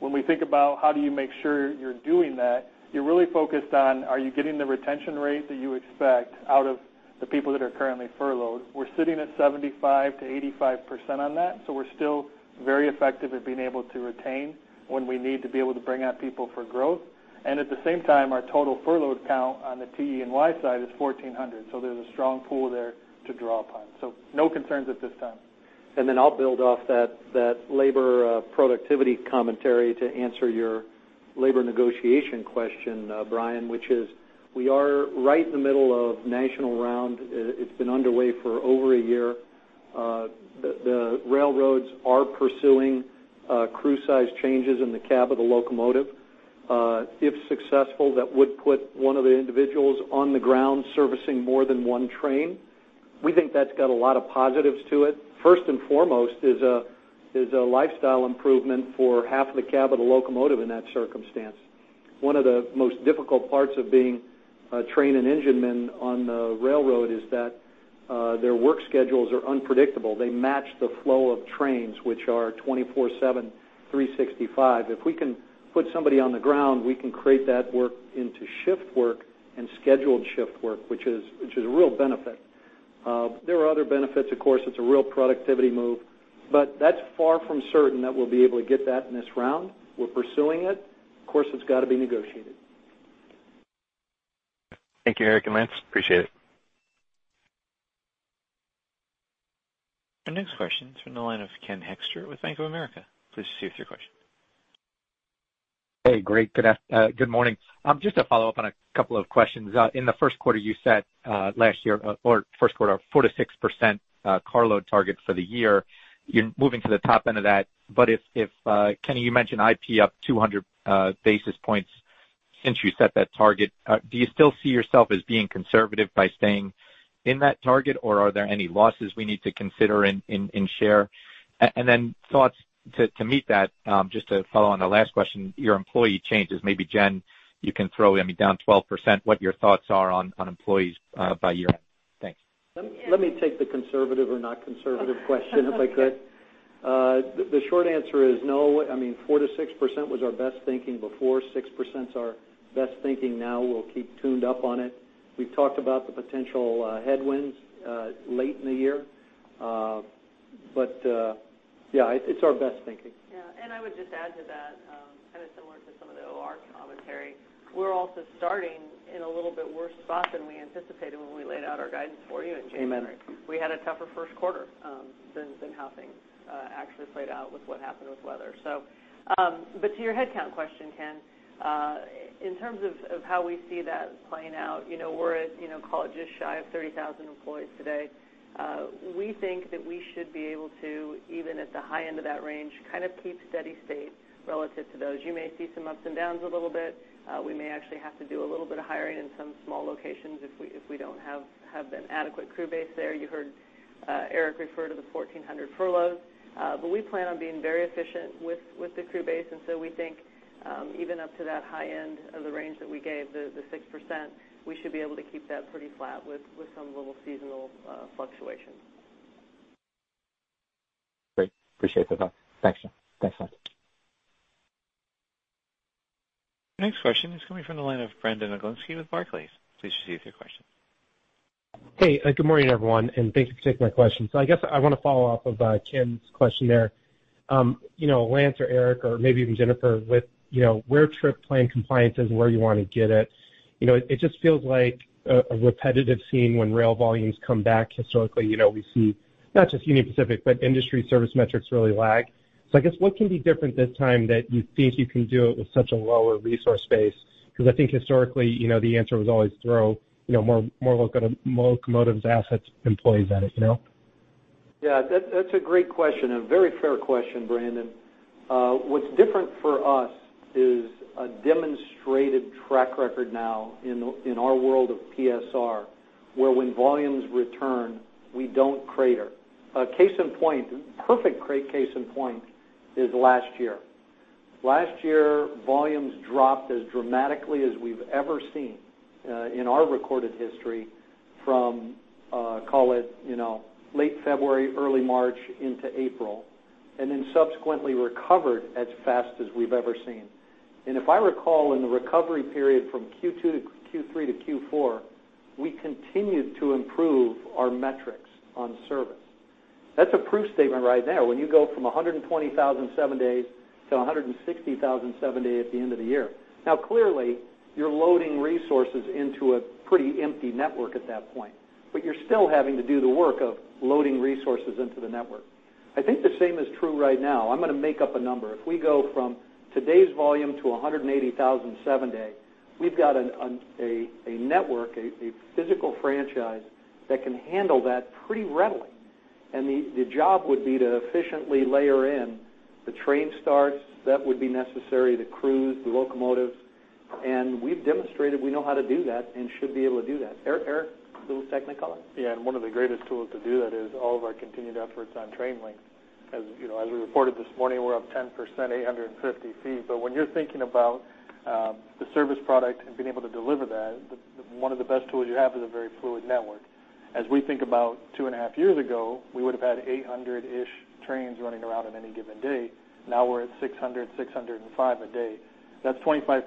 When we think about how do you make sure you're doing that, you're really focused on are you getting the retention rate that you expect out of the people that are currently furloughed? We're sitting at 75%-85% on that, we're still very effective at being able to retain when we need to be able to bring on people for growth. At the same time, our total furloughed count on the TE&Y side is 1,400. There's a strong pool there to draw upon. No concerns at this time. I'll build off that labor productivity commentary to answer your labor negotiation question, Brian, which is, we are right in the middle of national round. It's been underway for over a year. The railroads are pursuing crew size changes in the cab of the locomotive. If successful, that would put one of the individuals on the ground servicing more than one train. We think that's got a lot of positives to it. First and foremost is a lifestyle improvement for half of the cab of the locomotive in that circumstance. One of the most difficult parts of being a train and engine man on the railroad is that their work schedules are unpredictable. They match the flow of trains, which are 24/7, 365. If we can put somebody on the ground, we can create that work into shift work and scheduled shift work, which is a real benefit. There are other benefits, of course. It's a real productivity move. That's far from certain that we'll be able to get that in this round. We're pursuing it. Of course, it's got to be negotiated. Thank you, Eric and Lance. Appreciate it. Our next question is from the line of Ken Hoexter with Bank of America. Please proceed with your question. Hey, great. Good morning. Just to follow up on a couple of questions. In the first quarter, you said last year or first quarter, 4%-6% carload targets for the year. You're moving to the top end of that. Kenny, you mentioned IP up 200 basis points since you set that target. Do you still see yourself as being conservative by staying in that target, or are there any losses we need to consider in share? Thoughts to meet that, just to follow on the last question, your employee changes. Maybe Jen, you can throw, I mean, down 12%, what your thoughts are on employees by year-end. Thanks. Let me take the conservative or not conservative question, if I could. The short answer is no. I mean, 4%-6% was our best thinking before. 6%'s our best thinking now. We'll keep tuned up on it. We've talked about the potential headwinds late in the year. Yeah, it's our best thinking. Yeah. I would just add to that, kind of similar to some of the OR commentary, we're also starting in a little bit worse spot than we anticipated when we laid out our guidance for you in January. Amen. We had a tougher first quarter than how things actually played out with what happened with weather. To your headcount question, Ken, in terms of how we see that playing out, we're at call it just shy of 30,000 employees today. We think that we should be able to, even at the high end of that range, kind of keep steady state relative to those. You may see some ups and downs a little bit. We may actually have to do a little bit of hiring in some small locations if we don't have an adequate crew base there. You heard Eric refer to the 1,400 furloughs. We plan on being very efficient with the crew base, and so we think even up to that high end of the range that we gave, the 6%, we should be able to keep that pretty flat with some little seasonal fluctuations. Great. Appreciate the thought. Thanks, Jen. Thanks, Lance. Our next question is coming from the line of Brandon Oglenski with Barclays. Please proceed with your question. Hey, good morning, everyone, and thank you for taking my question. I guess I want to follow up of Ken's question there. Lance or Eric, or maybe even Jennifer, with where trip plan compliance is and where you want to get it just feels like a repetitive scene when rail volumes come back historically, we see not just Union Pacific, but industry service metrics really lag. I guess what can be different this time that you think you can do it with such a lower resource base? Because I think historically, the answer was always throw more locomotives, assets, employees at it. Yeah. That's a great question and a very fair question, Brandon. What's different for us is a demonstrated track record now in our world of PSR, where when volumes return, we don't crater. A case in point, perfect case in point, is last year. Last year, volumes dropped as dramatically as we've ever seen in our recorded history from, call it late February, early March into April, and then subsequently recovered as fast as we've ever seen. If I recall, in the recovery period from Q2 to Q3 to Q4, we continued to improve our metrics on service. That's a proof statement right there. When you go from 120,000 seven days to 160,000 seven day at the end of the year. Now, clearly, you're loading resources into a pretty empty network at that point, but you're still having to do the work of loading resources into the network. I think the same is true right now. I'm going to make up a number. If we go from today's volume to 180,000 seven day, we've got a network, a physical franchise that can handle that pretty readily. The job would be to efficiently layer in the train starts that would be necessary, the crews, the locomotives, and we've demonstrated we know how to do that and should be able to do that. Eric, a little technical? Yeah. One of the greatest tools to do that is all of our continued efforts on train length. As we reported this morning, we're up 10%, 850 ft. When you're thinking about, the service product and being able to deliver that, one of the best tools you have is a very fluid network. As we think about 2.5 Years ago, we would have had 800-ish trains running around on any given day. Now we're at 600, 605 a day. That's 25%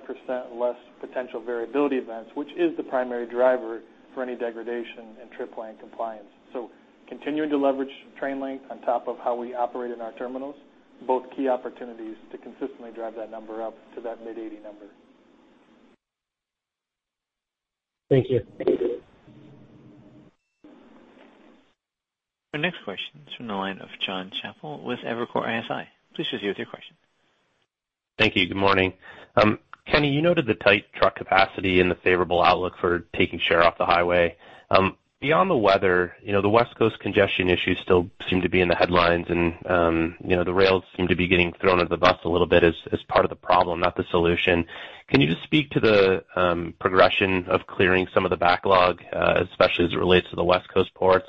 less potential variability events, which is the primary driver for any degradation in trip plan compliance. Continuing to leverage train length on top of how we operate in our terminals, both key opportunities to consistently drive that number up to that mid-80 number. Thank you. Our next question is from the line of Jon Chappell with Evercore ISI. Please proceed with your question. Thank you. Good morning. Kenny, you noted the tight truck capacity and the favorable outlook for taking share off the highway. Beyond the weather, the West Coast congestion issues still seem to be in the headlines. The rails seem to be getting thrown under the bus a little bit as part of the problem, not the solution. Can you just speak to the progression of clearing some of the backlog, especially as it relates to the West Coast ports?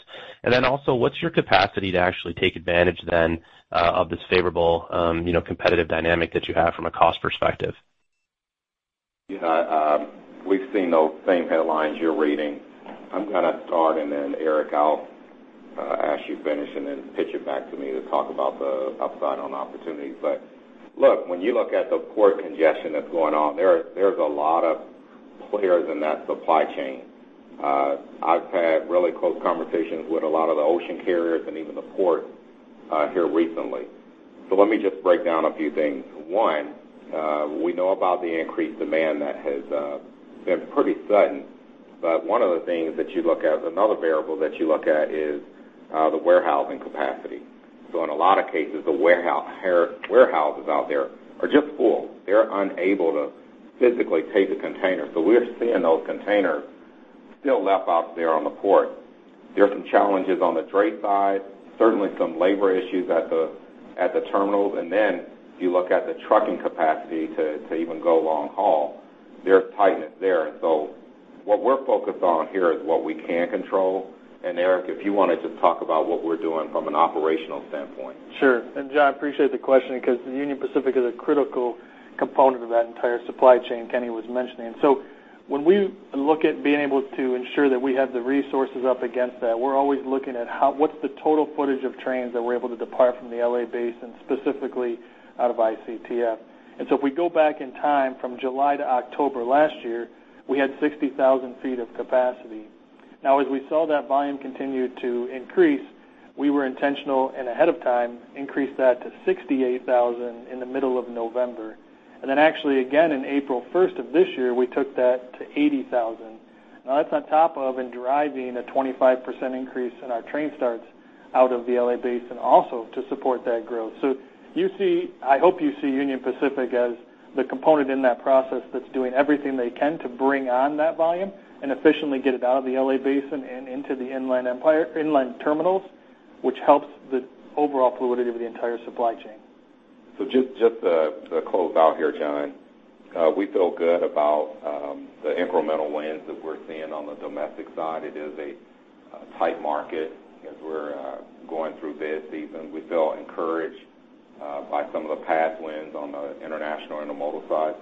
Also, what's your capacity to actually take advantage then of this favorable competitive dynamic that you have from a cost perspective? Yeah. We've seen those same headlines you're reading. I'm going to start, and then Eric, I'll ask you to finish and then pitch it back to me to talk about the upside on opportunities. Look, when you look at the port congestion that's going on there's a lot of players in that supply chain. I've had really close conversations with a lot of the ocean carriers and even the port here recently. Let me just break down a few things. One, we know about the increased demand that has been pretty sudden, but one of the things that you look at, another variable that you look at is the warehousing capacity. In a lot of cases, the warehouses out there are just full. They're unable to physically take a container. We're seeing those containers still left out there on the port. There are some challenges on the dray side, certainly some labor issues at the terminals. If you look at the trucking capacity to even go long haul, there's tightness there. What we're focused on here is what we can control. Eric, if you want to just talk about what we're doing from an operational standpoint. Sure. Jon, appreciate the question, because Union Pacific is a critical component of that entire supply chain Kenny was mentioning. When we look at being able to ensure that we have the resources up against that, we're always looking at what's the total footage of trains that we're able to depart from the L.A. Basin, specifically out of ICTF. If we go back in time, from July to October last year, we had 60,000 ft of capacity. As we saw that volume continue to increase, we were intentional and ahead of time increased that to 68,000 ft in the middle of November. Actually again in April 1st of this year, we took that to 80,000 ft. That's on top of and driving a 25% increase in our train starts out of the L.A. Basin also to support that growth. I hope you see Union Pacific as the component in that process that's doing everything they can to bring on that volume and efficiently get it out of the L.A. Basin and into the inland terminals, which helps the overall fluidity of the entire supply chain. Just to close out here, Jon, we feel good about the incremental wins that we're seeing on the domestic side. It is a tight market as we're going through this season. We feel encouraged by some of the past wins on the international intermodal side.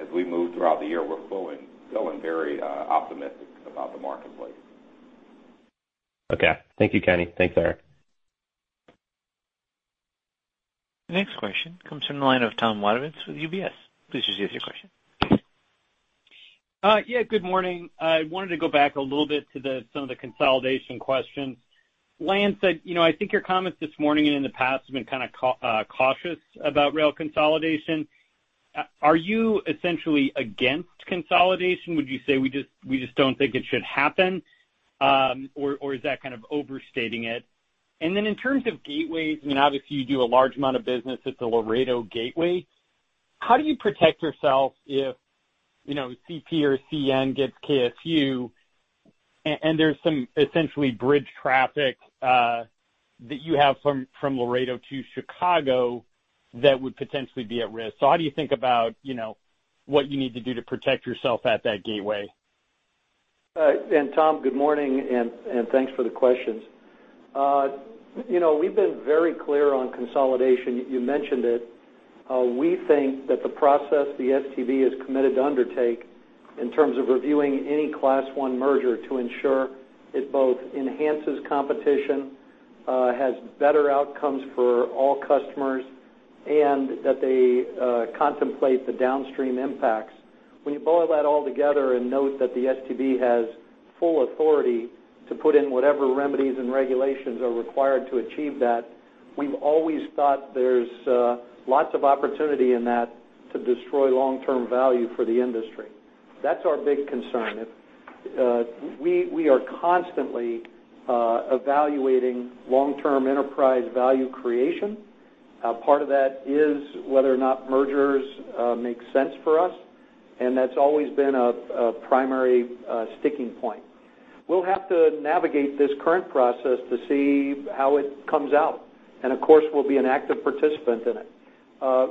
As we move throughout the year, we're feeling very optimistic about the marketplace. Okay. Thank you, Kenny. Thanks, Eric. The next question comes from the line of Tom Wadewitz with UBS. Please proceed with your question. Yeah, good morning. I wanted to go back a little bit to some of the consolidation questions. Lance, I think your comments this morning and in the past have been kind of cautious about rail consolidation. Are you essentially against consolidation? Would you say we just don't think it should happen? Or is that kind of overstating it? In terms of gateways, obviously you do a large amount of business at the Laredo Gateway. How do you protect yourself if CP or CN gets KSU and there's some essentially bridge traffic that you have from Laredo to Chicago that would potentially be at risk? How do you think about what you need to do to protect yourself at that gateway? Tom, good morning, and thanks for the questions. We've been very clear on consolidation. You mentioned it. We think that the process the STB has committed to undertake in terms of reviewing any Class I merger to ensure it both enhances competition. Has better outcomes for all customers, and that they contemplate the downstream impacts. When you boil that all together and note that the STB has full authority to put in whatever remedies and regulations are required to achieve that, we've always thought there's lots of opportunity in that to destroy long-term value for the industry. That's our big concern. We are constantly evaluating long-term enterprise value creation. Part of that is whether or not mergers make sense for us, and that's always been a primary sticking point. We'll have to navigate this current process to see how it comes out. Of course, we'll be an active participant in it.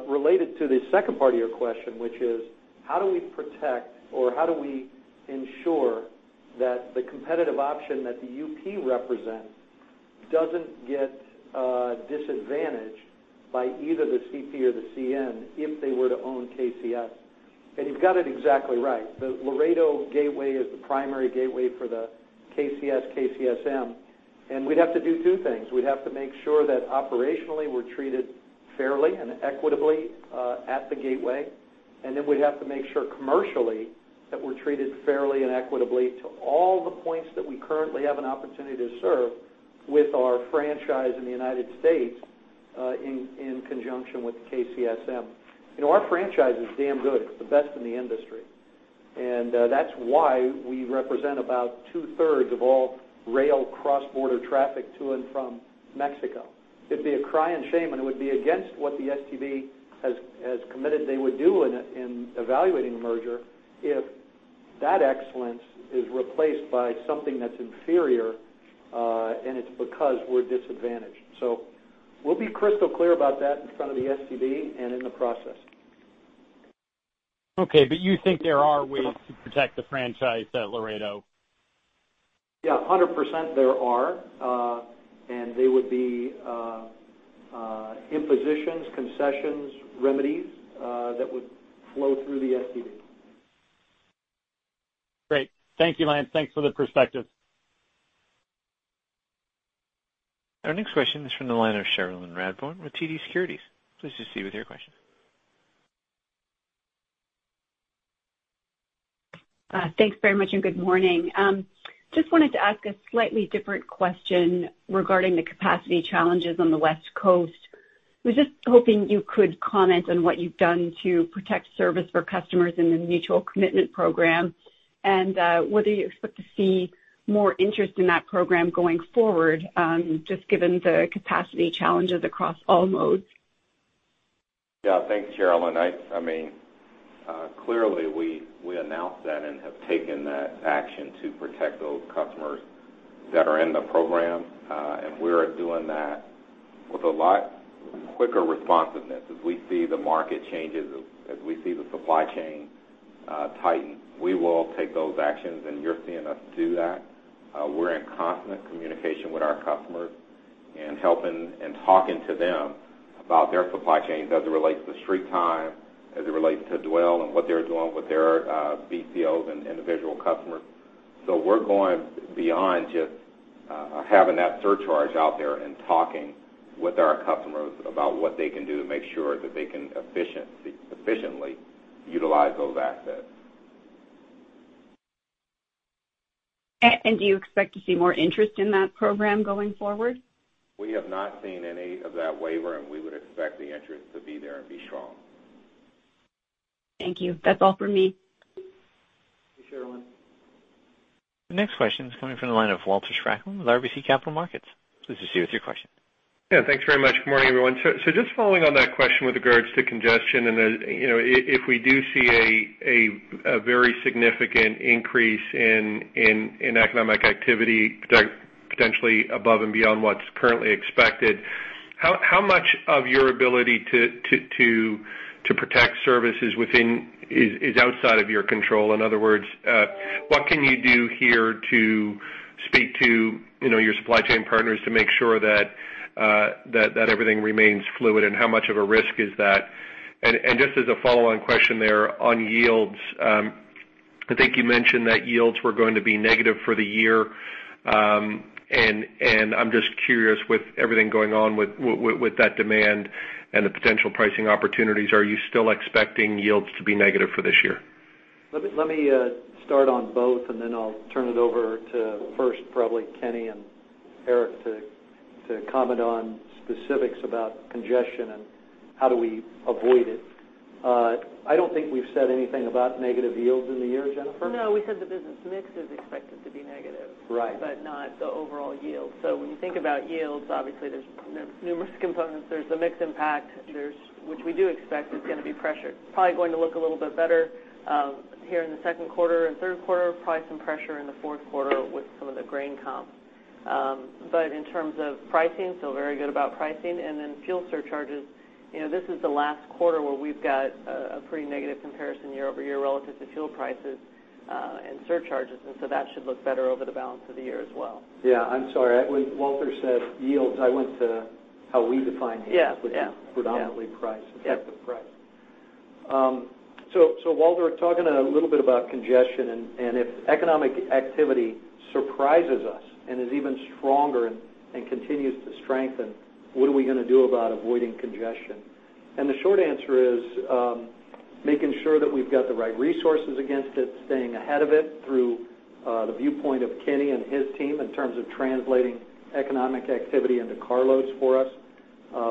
Related to the second part of your question, which is, how do we protect or how do we ensure that the competitive option that the UP represents doesn't get disadvantaged by either the CP or the CN if they were to own KCS? You've got it exactly right. The Laredo Gateway is the primary gateway for the KCS, KCSM, and we'd have to do two things. We'd have to make sure that operationally, we're treated fairly and equitably, at the gateway, and then we'd have to make sure commercially that we're treated fairly and equitably to all the points that we currently have an opportunity to serve with our franchise in the United States, in conjunction with KCSM. Our franchise is damn good. It's the best in the industry. That's why we represent about two-thirds of all rail cross-border traffic to and from Mexico. It'd be a cry and shame, and it would be against what the STB has committed they would do in evaluating a merger if that excellence is replaced by something that's inferior, and it's because we're disadvantaged. We'll be crystal clear about that in front of the STB and in the process. Okay. You think there are ways to protect the franchise at Laredo? Yeah, 100% there are. They would be, impositions, concessions, remedies, that would flow through the STB. Great. Thank you, Lance. Thanks for the perspective. Our next question is from the line of Cherilyn Radbourne with TD Securities. Please proceed with your question. Thanks very much. Good morning. Just wanted to ask a slightly different question regarding the capacity challenges on the West Coast. I was just hoping you could comment on what you've done to protect service for customers in the mutual commitment program, and whether you expect to see more interest in that program going forward, just given the capacity challenges across all modes. Yeah. Thanks, Cherilyn. We announced that and have taken that action to protect those customers that are in the program. We're doing that with a lot quicker responsiveness as we see the market changes, as we see the supply chain tighten. We will take those actions, and you're seeing us do that. We're in constant communication with our customers and helping and talking to them about their supply chains as it relates to street time, as it relates to dwell and what they're doing with their BCOs and individual customers. We're going beyond just having that surcharge out there and talking with our customers about what they can do to make sure that they can efficiently utilize those assets. Do you expect to see more interest in that program going forward? We have not seen any of that waiver, and we would expect the interest to be there and be strong. Thank you. That's all for me. Thank you, Cherilyn. The next question is coming from the line of Walter Spracklin with RBC Capital Markets. Please proceed with your question. Yeah, thanks very much. Good morning, everyone. Just following on that question with regards to congestion and if we do see a very significant increase in economic activity potentially above and beyond what's currently expected, how much of your ability to protect services is outside of your control? In other words, what can you do here to speak to your supply chain partners to make sure that everything remains fluid, and how much of a risk is that? Just as a follow-on question there on yields, I think you mentioned that yields were going to be negative for the year. I'm just curious, with everything going on with that demand and the potential pricing opportunities, are you still expecting yields to be negative for this year? Let me start on both, and then I'll turn it over to first probably Kenny and Eric to comment on specifics about congestion and how do we avoid it. I don't think we've said anything about negative yields in the year, Jennifer? No, we said the business mix is expected to be negative. Right. Not the overall yield. When you think about yields, obviously there's numerous components. There's the mix impact, which we do expect is going to be pressured. Probably going to look a little bit better here in the second quarter and third quarter, probably some pressure in the fourth quarter with some of the grain comps. In terms of pricing, feel very good about pricing. Fuel surcharges, this is the last quarter where we've got a pretty negative comparison year-over-year relative to fuel prices and surcharges, that should look better over the balance of the year as well. Yeah, I'm sorry. When Walter said yields, I went to how we define yields. Yeah. Which is predominantly price. Yeah. Walter, talking a little bit about congestion, and if economic activity surprises us and is even stronger and continues to strengthen, what are we going to do about avoiding congestion? The short answer is, making sure that we've got the right resources against it, staying ahead of it through the viewpoint of Kenny and his team in terms of translating economic activity into carloads for us,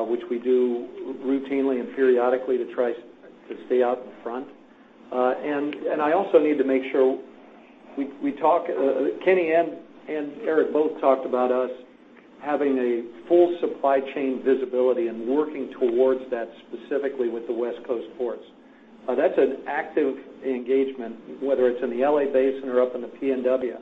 which we do routinely and periodically to try to stay out in front. I also need to make sure Kenny and Eric both talked about us having a full supply chain visibility and working towards that specifically with the West Coast ports. That's an active engagement, whether it's in the L.A. Basin or up in the PNW,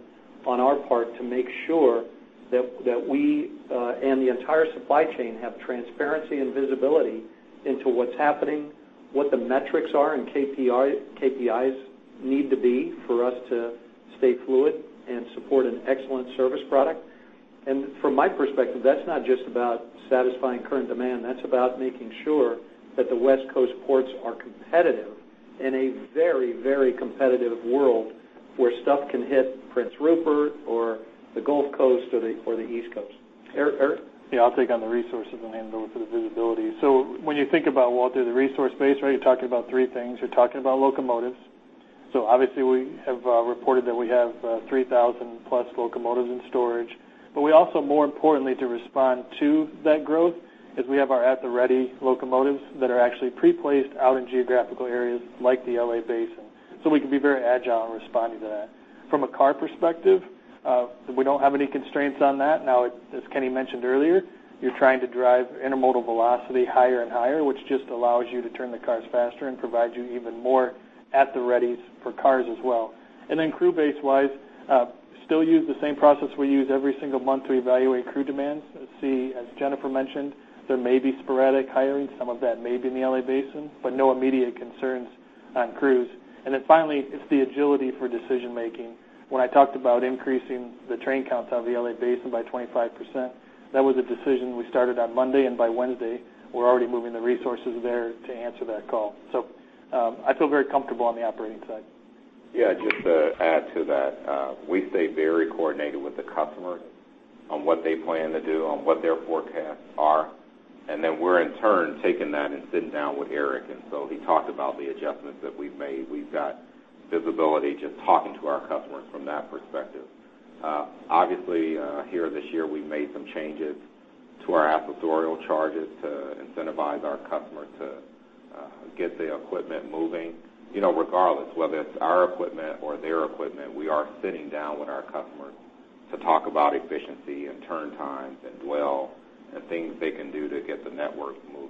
on our part to make sure that we and the entire supply chain have transparency and visibility into what's happening, what the metrics are, and KPIs need to be for us to stay fluid and support an excellent service product. From my perspective, that's not just about satisfying current demand, that's about making sure that the West Coast ports are competitive in a very competitive world where stuff can hit Prince Rupert or the Gulf Coast or the East Coast. Eric? Yeah, I'll take on the resources and hand it over to the visibility. When you think about, Walter, the resource base, you're talking about three things. You're talking about locomotives. Obviously we have reported that we have 3,000+ locomotives in storage. We also, more importantly, to respond to that growth, is we have our at-the-ready locomotives that are actually pre-placed out in geographical areas like the L.A. Basin. We can be very agile in responding to that. From a car perspective, we don't have any constraints on that. Now, as Kenny mentioned earlier, you're trying to drive intermodal velocity higher and higher, which just allows you to turn the cars faster and provide you even more at-the-readies for cars as well. Crew base wise, still use the same process we use every single month to evaluate crew demands and see, as Jennifer mentioned, there may be sporadic hiring. Some of that may be in the L.A. Basin, no immediate concerns on crews. Finally, it's the agility for decision making. When I talked about increasing the train counts out of the L.A. Basin by 25%, that was a decision we started on Monday, by Wednesday, we're already moving the resources there to answer that call. I feel very comfortable on the operating side. Just to add to that, we stay very coordinated with the customer on what they plan to do, on what their forecasts are. Then we're in turn taking that and sitting down with Eric. He talked about the adjustments that we've made. We've got visibility just talking to our customers from that perspective. Obviously, here this year, we've made some changes to our accessorial charges to incentivize our customers to get the equipment moving. Regardless, whether it's our equipment or their equipment, we are sitting down with our customers to talk about efficiency and turn times and dwell and things they can do to get the network moving.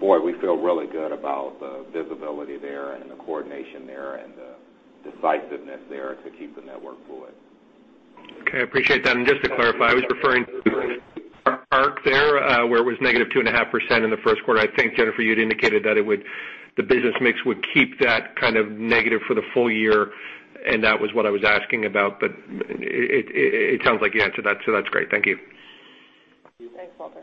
Boy, we feel really good about the visibility there and the coordination there and the decisiveness there to keep the network fluid. Okay, I appreciate that. Just to clarify, I was referring to ARC there, where it was -2.5% in the first quarter. I think, Jennifer, you had indicated that the business mix would keep that kind of negative for the full year, and that was what I was asking about. It sounds like you answered that, so that's great. Thank you. Thanks, Walter.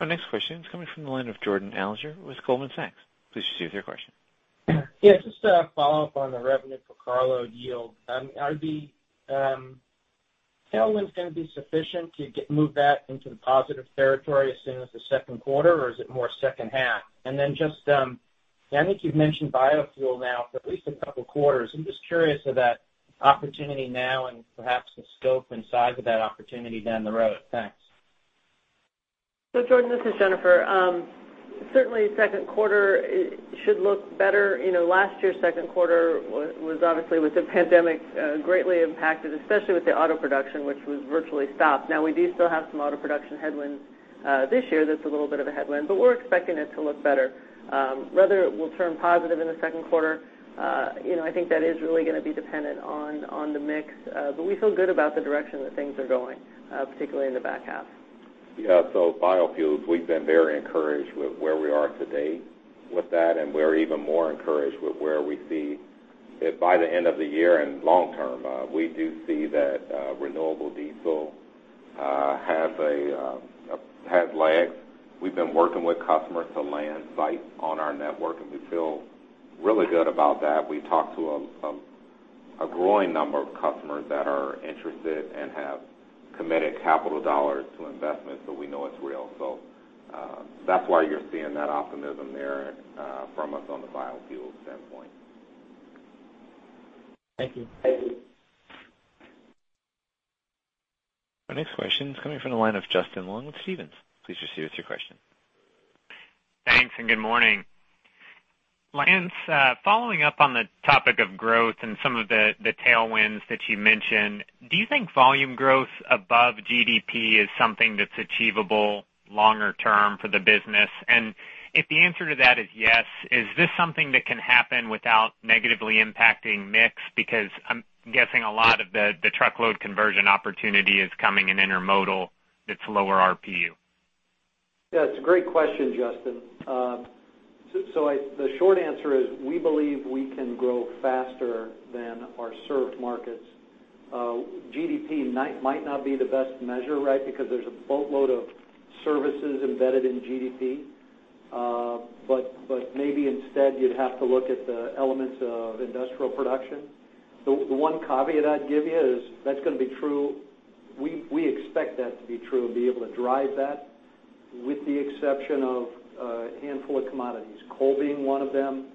Our next question is coming from the line of Jordan Alliger with Goldman Sachs. Please proceed with your question. Just to follow up on the revenue per carload yield, are the tailwinds going to be sufficient to move that into the positive territory as soon as the second quarter, or is it more second half? I think you've mentioned biofuel now for at least a couple quarters. I'm just curious of that opportunity now and perhaps the scope and size of that opportunity down the road? Thanks. Jordan, this is Jennifer. Certainly second quarter should look better. Last year's second quarter was obviously with the pandemic, greatly impacted, especially with the auto production, which was virtually stopped. We do still have some auto production headwinds this year that's a little bit of a headwind, but we're expecting it to look better. Whether it will turn positive in the second quarter, I think that is really going to be dependent on the mix. We feel good about the direction that things are going, particularly in the back half. Yeah. Biofuels, we've been very encouraged with where we are today with that, and we're even more encouraged with where we see it by the end of the year and long term. We do see that renewable diesel has legs. We've been working with customers to land sites on our network, and we feel really good about that. We've talked to a growing number of customers that are interested and have committed capital dollars to investments, we know it's real. That's why you're seeing that optimism there from us on the biofuel standpoint. Thank you. Our next question is coming from the line of Justin Long with Stephens. Please proceed with your question. Thanks, and good morning. Lance, following up on the topic of growth and some of the tailwinds that you mentioned, do you think volume growth above GDP is something that's achievable longer term for the business? If the answer to that is yes, is this something that can happen without negatively impacting mix? Because I'm guessing a lot of the truckload conversion opportunity is coming in intermodal that's lower RPU. Yeah, it's a great question, Justin. The short answer is we believe we can grow faster than our served markets. GDP might not be the best measure, right? There's a boatload of services embedded in GDP. Maybe instead, you'd have to look at the elements of industrial production. The one caveat I'd give you is we expect that to be true and be able to drive that with the exception of a handful of commodities, coal being one of them,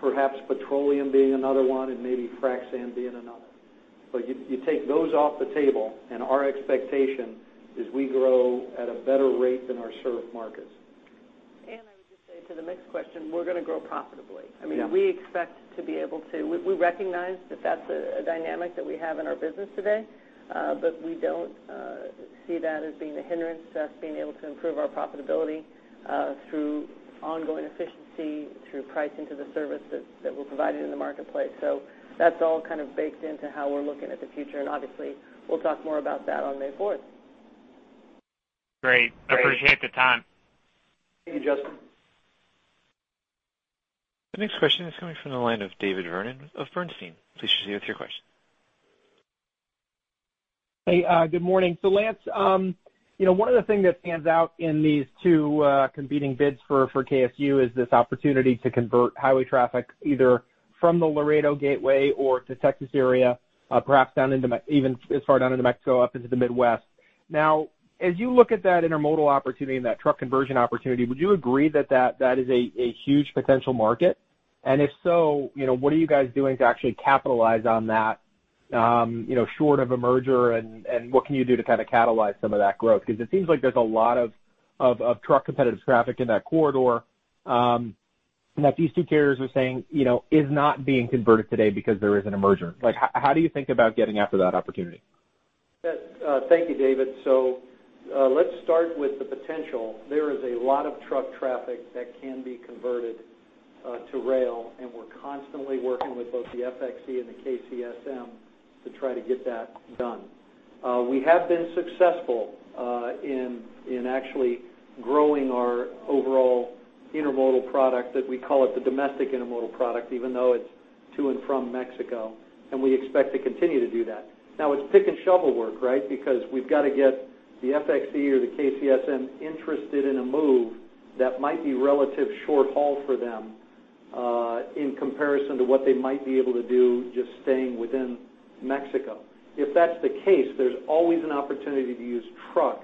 perhaps petroleum being another one, and maybe frac sand being another. You take those off the table, and our expectation is we grow at a better rate than our served markets. I would just say to the mixed question, we're going to grow profitably. Yeah. We expect to be able to. We recognize that that's a dynamic that we have in our business today, but we don't see that as being a hindrance to us being able to improve our profitability through ongoing efficiency, through pricing to the services that we're providing in the marketplace. That's all kind of baked into how we're looking at the future, and obviously, we'll talk more about that on May 4th. Great. I appreciate the time. Thank you, Justin. The next question is coming from the line of David Vernon of Bernstein. Please proceed with your question. Good morning. Lance, one of the things that stands out in these two competing bids for KSU is this opportunity to convert highway traffic either from the Laredo Gateway or to Texas area, perhaps even as far down into Mexico, up into the Midwest. As you look at that intermodal opportunity and that truck conversion opportunity, would you agree that that is a huge potential market? If so, what are you guys doing to actually capitalize on that short of a merger, and what can you do to kind of catalyze some of that growth? It seems like there's a lot of truck competitive traffic in that corridor, and that these two carriers are saying is not being converted today because there isn't a merger. How do you think about getting after that opportunity? Thank you, David. Let's start with the potential. There is a lot of truck traffic that can be converted to rail, and we're constantly working with both the FXE and the KCSM to try to get that done. We have been successful in actually growing our overall intermodal product that we call it the domestic intermodal product, even though it's to and from Mexico, and we expect to continue to do that. It's pick and shovel work, right? Because we've got to get the FXE or the KCSM interested in a move that might be relative short haul for them, in comparison to what they might be able to do just staying within Mexico. If that's the case, there's always an opportunity to use truck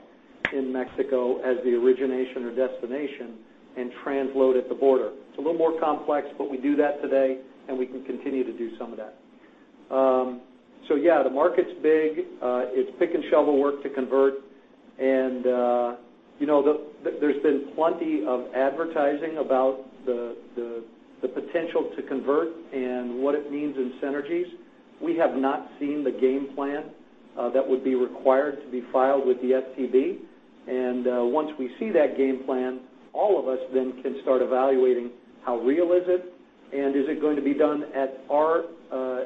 in Mexico as the origination or destination and transload at the border. It's a little more complex, but we do that today, and we can continue to do some of that. Yeah, the market's big. It's pick and shovel work to convert. There's been plenty of advertising about the potential to convert and what it means in synergies. We have not seen the game plan that would be required to be filed with the STB. Once we see that game plan, all of us then can start evaluating how real is it, and is it going to be done at our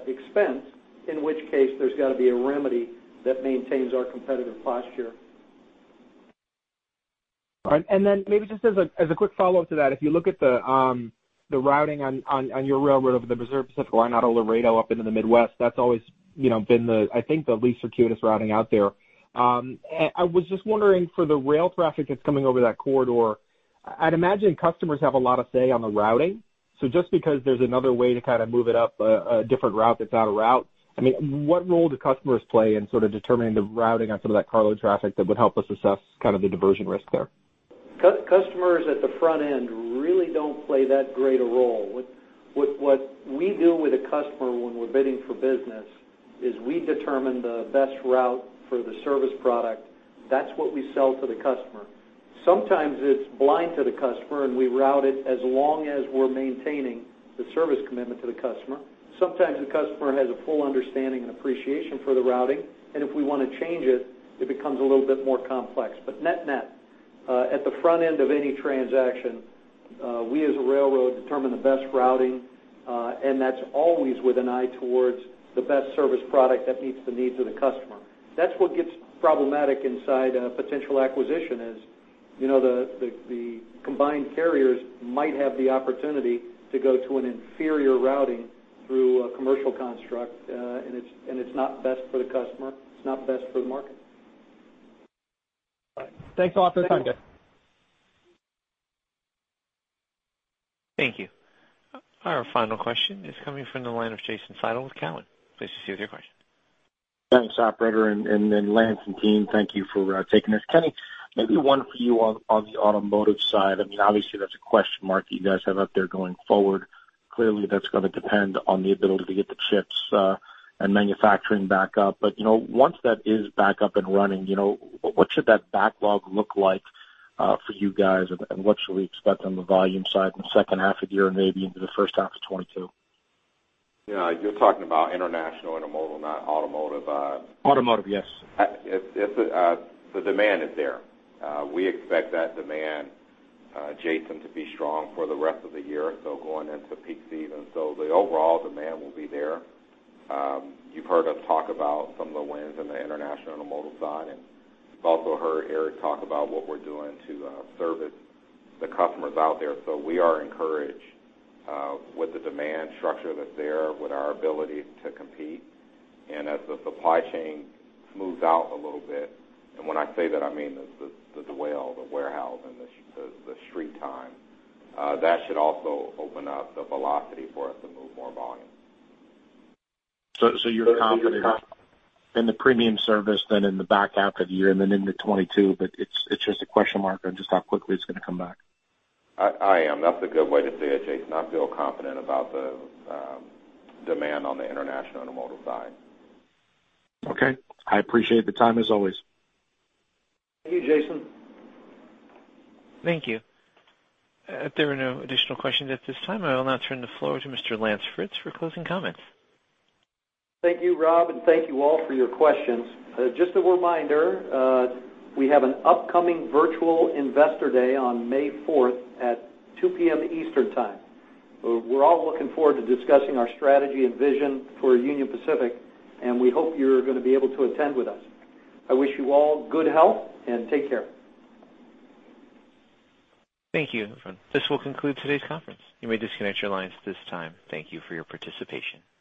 expense, in which case, there's got to be a remedy that maintains our competitive posture. All right. Maybe just as a quick follow-up to that, if you look at the routing on your railroad over the, [AUDIO DISTORTION] why not a Laredo up into the Midwest? That's always been, I think, the least circuitous routing out there. I was just wondering, for the rail traffic that's coming over that corridor, I'd imagine customers have a lot of say on the routing. Just because there's another way to kind of move it up a different route that's out of route, what role do customers play in sort of determining the routing on some of that cargo traffic that would help us assess the diversion risk there? Customers at the front end really don't play that great a role. What we do with a customer when we're bidding for business is we determine the best route for the service product. That's what we sell to the customer. Sometimes it's blind to the customer and we route it as long as we're maintaining the service commitment to the customer. Sometimes the customer has a full understanding and appreciation for the routing, and if we want to change it becomes a little bit more complex. Net-net, at the front end of any transaction, we as a railroad determine the best routing, and that's always with an eye towards the best service product that meets the needs of the customer. That's what gets problematic inside a potential acquisition is the combined carriers might have the opportunity to go to an inferior routing through a commercial construct, and it's not best for the customer, it's not best for the market. All right. Thanks a lot for the time, guys. Thank you. Our final question is coming from the line of Jason Seidl with Cowen. Please proceed with your question. Thanks, operator. Lance and team, thank you for taking this. Kenny, maybe one for you on the automotive side. Obviously, that's a question mark you guys have out there going forward. Clearly, that's going to depend on the ability to get the chips and manufacturing back up. Once that is back up and running, what should that backlog look like for you guys, and what should we expect on the volume side in the second half of the year and maybe into the first half of 2022? Yeah. You're talking about international intermodal, not automotive. Automotive, yes. The demand is there. We expect that demand, Jason, to be strong for the rest of the year, so going into peak season. The overall demand will be there. You've heard us talk about some of the wins in the international intermodal side, and you've also heard Eric talk about what we're doing to service the customers out there. We are encouraged with the demand structure that's there, with our ability to compete. As the supply chain smooths out a little bit, and when I say that, I mean the dwell, the warehouse, and the street time, that should also open up the velocity for us to move more volume. You're confident in the premium service then in the back half of the year and then into 2022, but it's just a question mark on just how quickly it's going to come back? I am. That's a good way to say it, Jason. I feel confident about the demand on the international intermodal side. Okay. I appreciate the time, as always. Thank you, Jason. Thank you. If there are no additional questions at this time, I will now turn the floor to Mr. Lance Fritz for closing comments. Thank you, Rob, and thank you all for your questions. Just a reminder, we have an upcoming virtual Investor Day on May 4th at 2:00 PM Eastern Time. We're all looking forward to discussing our strategy and vision for Union Pacific, and we hope you're going to be able to attend with us. I wish you all good health, and take care. Thank you. This will conclude today's conference. You may disconnect your lines at this time. Thank you for your participation.